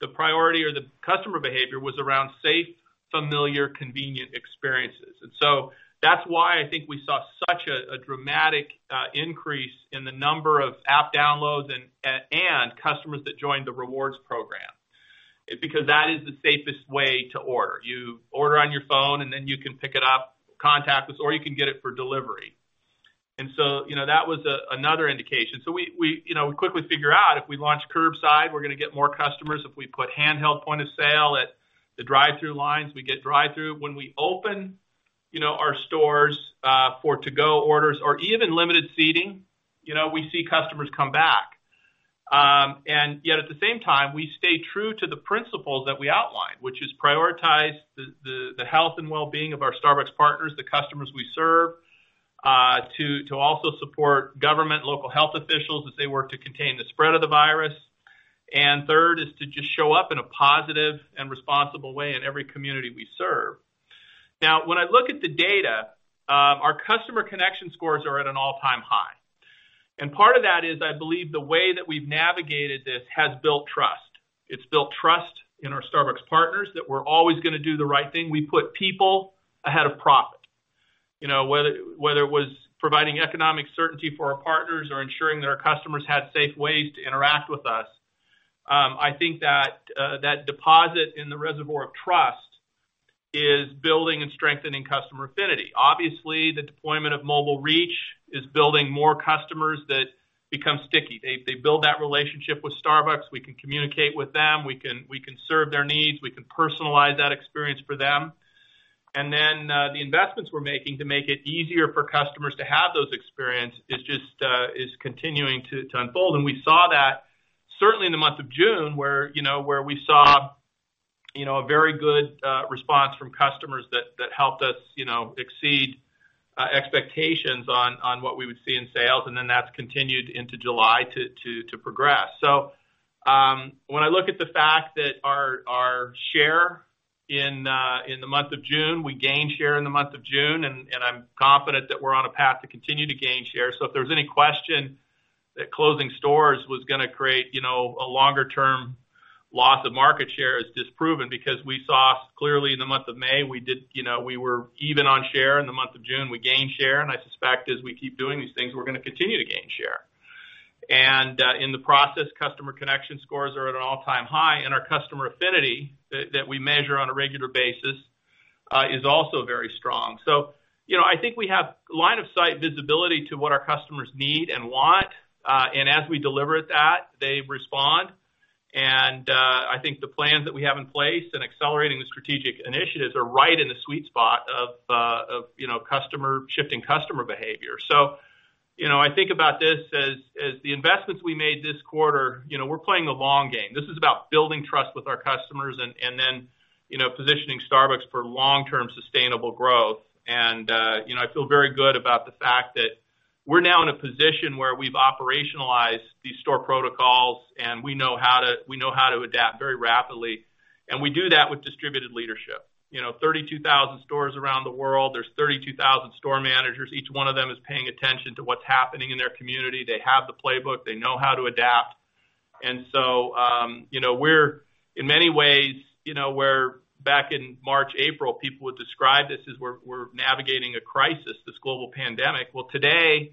S3: the priority or the customer behavior was around safe, familiar, convenient experiences. That's why I think we saw such a dramatic increase in the number of app downloads and customers that joined the Starbucks Rewards program. Because that is the safest way to order. You order on your phone, and then you can pick it up contactless, or you can get it for delivery. That was another indication. We quickly figure out if we launch curbside, we're going to get more customers. If we put handheld point-of-sale at the drive-through lines, we get drive-through. When we open our stores for to-go orders or even limited seating, we see customers come back. Yet at the same time, we stay true to the principles that we outlined, which is prioritize the health and wellbeing of our Starbucks partners, the customers we serve, to also support government, local health officials as they work to contain the spread of the virus. Third is to just show up in a positive and responsible way in every community we serve. Now, when I look at the data, our customer connection scores are at an all-time high. Part of that is, I believe the way that we've navigated this has built trust. It's built trust in our Starbucks partners that we're always going to do the right thing. We put people ahead of profit. Whether it was providing economic certainty for our partners or ensuring that our customers had safe ways to interact with us. I think that deposit in the reservoir of trust is building and strengthening customer affinity. Obviously, the deployment of mobile reach is building more customers that become sticky. They build that relationship with Starbucks. We can communicate with them. We can serve their needs. We can personalize that experience for them. The investments we're making to make it easier for customers to have those experiences is continuing to unfold. We saw that certainly in the month of June, where we saw a very good response from customers that helped us exceed expectations on what we would see in sales, and then that's continued into July to progress. When I look at the fact that our share in the month of June, we gained share in the month of June, I'm confident that we're on a path to continue to gain share. If there's any question that closing stores was going to create a longer-term loss of market share, it's disproven because we saw clearly in the month of May, we were even on share. In the month of June, we gained share. I suspect as we keep doing these things, we're going to continue to gain share. In the process, customer connection scores are at an all-time high, and our customer affinity that we measure on a regular basis is also very strong. I think we have line of sight visibility to what our customers need and want. As we deliver that, they respond. I think the plans that we have in place in accelerating the strategic initiatives are right in the sweet spot of shifting customer behavior. I think about this as the investments we made this quarter, we're playing the long game. This is about building trust with our customers and then positioning Starbucks for long-term sustainable growth. I feel very good about the fact that we're now in a position where we've operationalized these store protocols, and we know how to adapt very rapidly. We do that with distributed leadership. 32,000 stores around the world. There's 32,000 store managers. Each one of them is paying attention to what's happening in their community. They have the playbook. They know how to adapt. In many ways, where back in March, April, people would describe this as we're navigating a crisis, this global pandemic. Well, today,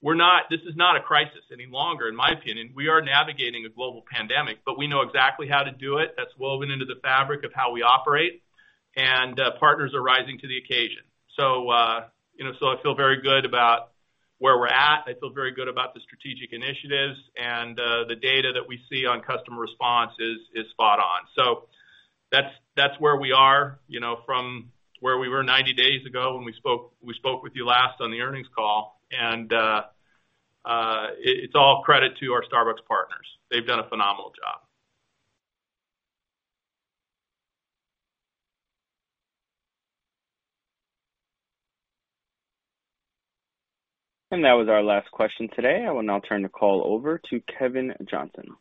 S3: this is not a crisis any longer, in my opinion. We are navigating a global pandemic. We know exactly how to do it. That's woven into the fabric of how we operate. Partners are rising to the occasion. I feel very good about where we're at. I feel very good about the strategic initiatives. The data that we see on customer response is spot on. That's where we are from where we were 90 days ago when we spoke with you last on the earnings call. It's all credit to our Starbucks Partners. They've done a phenomenal job.
S1: That was our last question today. I will now turn the call over to Kevin Johnson.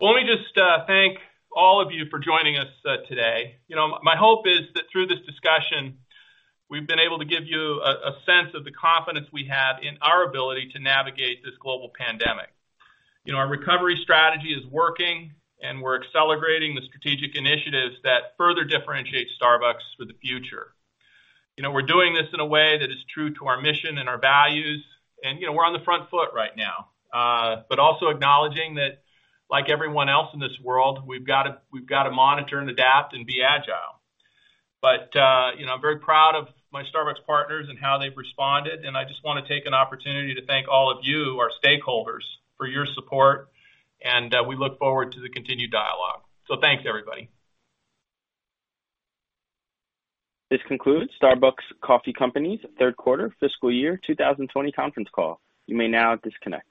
S3: Let me just thank all of you for joining us today. My hope is that through this discussion, we've been able to give you a sense of the confidence we have in our ability to navigate this global pandemic. Our recovery strategy is working, and we're accelerating the strategic initiatives that further differentiate Starbucks for the future. We're doing this in a way that is true to our mission and our values. We're on the front foot right now. Also acknowledging that like everyone else in this world, we've got to monitor and adapt and be agile. I'm very proud of my Starbucks partners and how they've responded. I just want to take an opportunity to thank all of you, our stakeholders, for your support, and we look forward to the continued dialogue. Thanks, everybody.
S1: This concludes Starbucks Coffee Company's third quarter fiscal year 2020 conference call. You may now disconnect.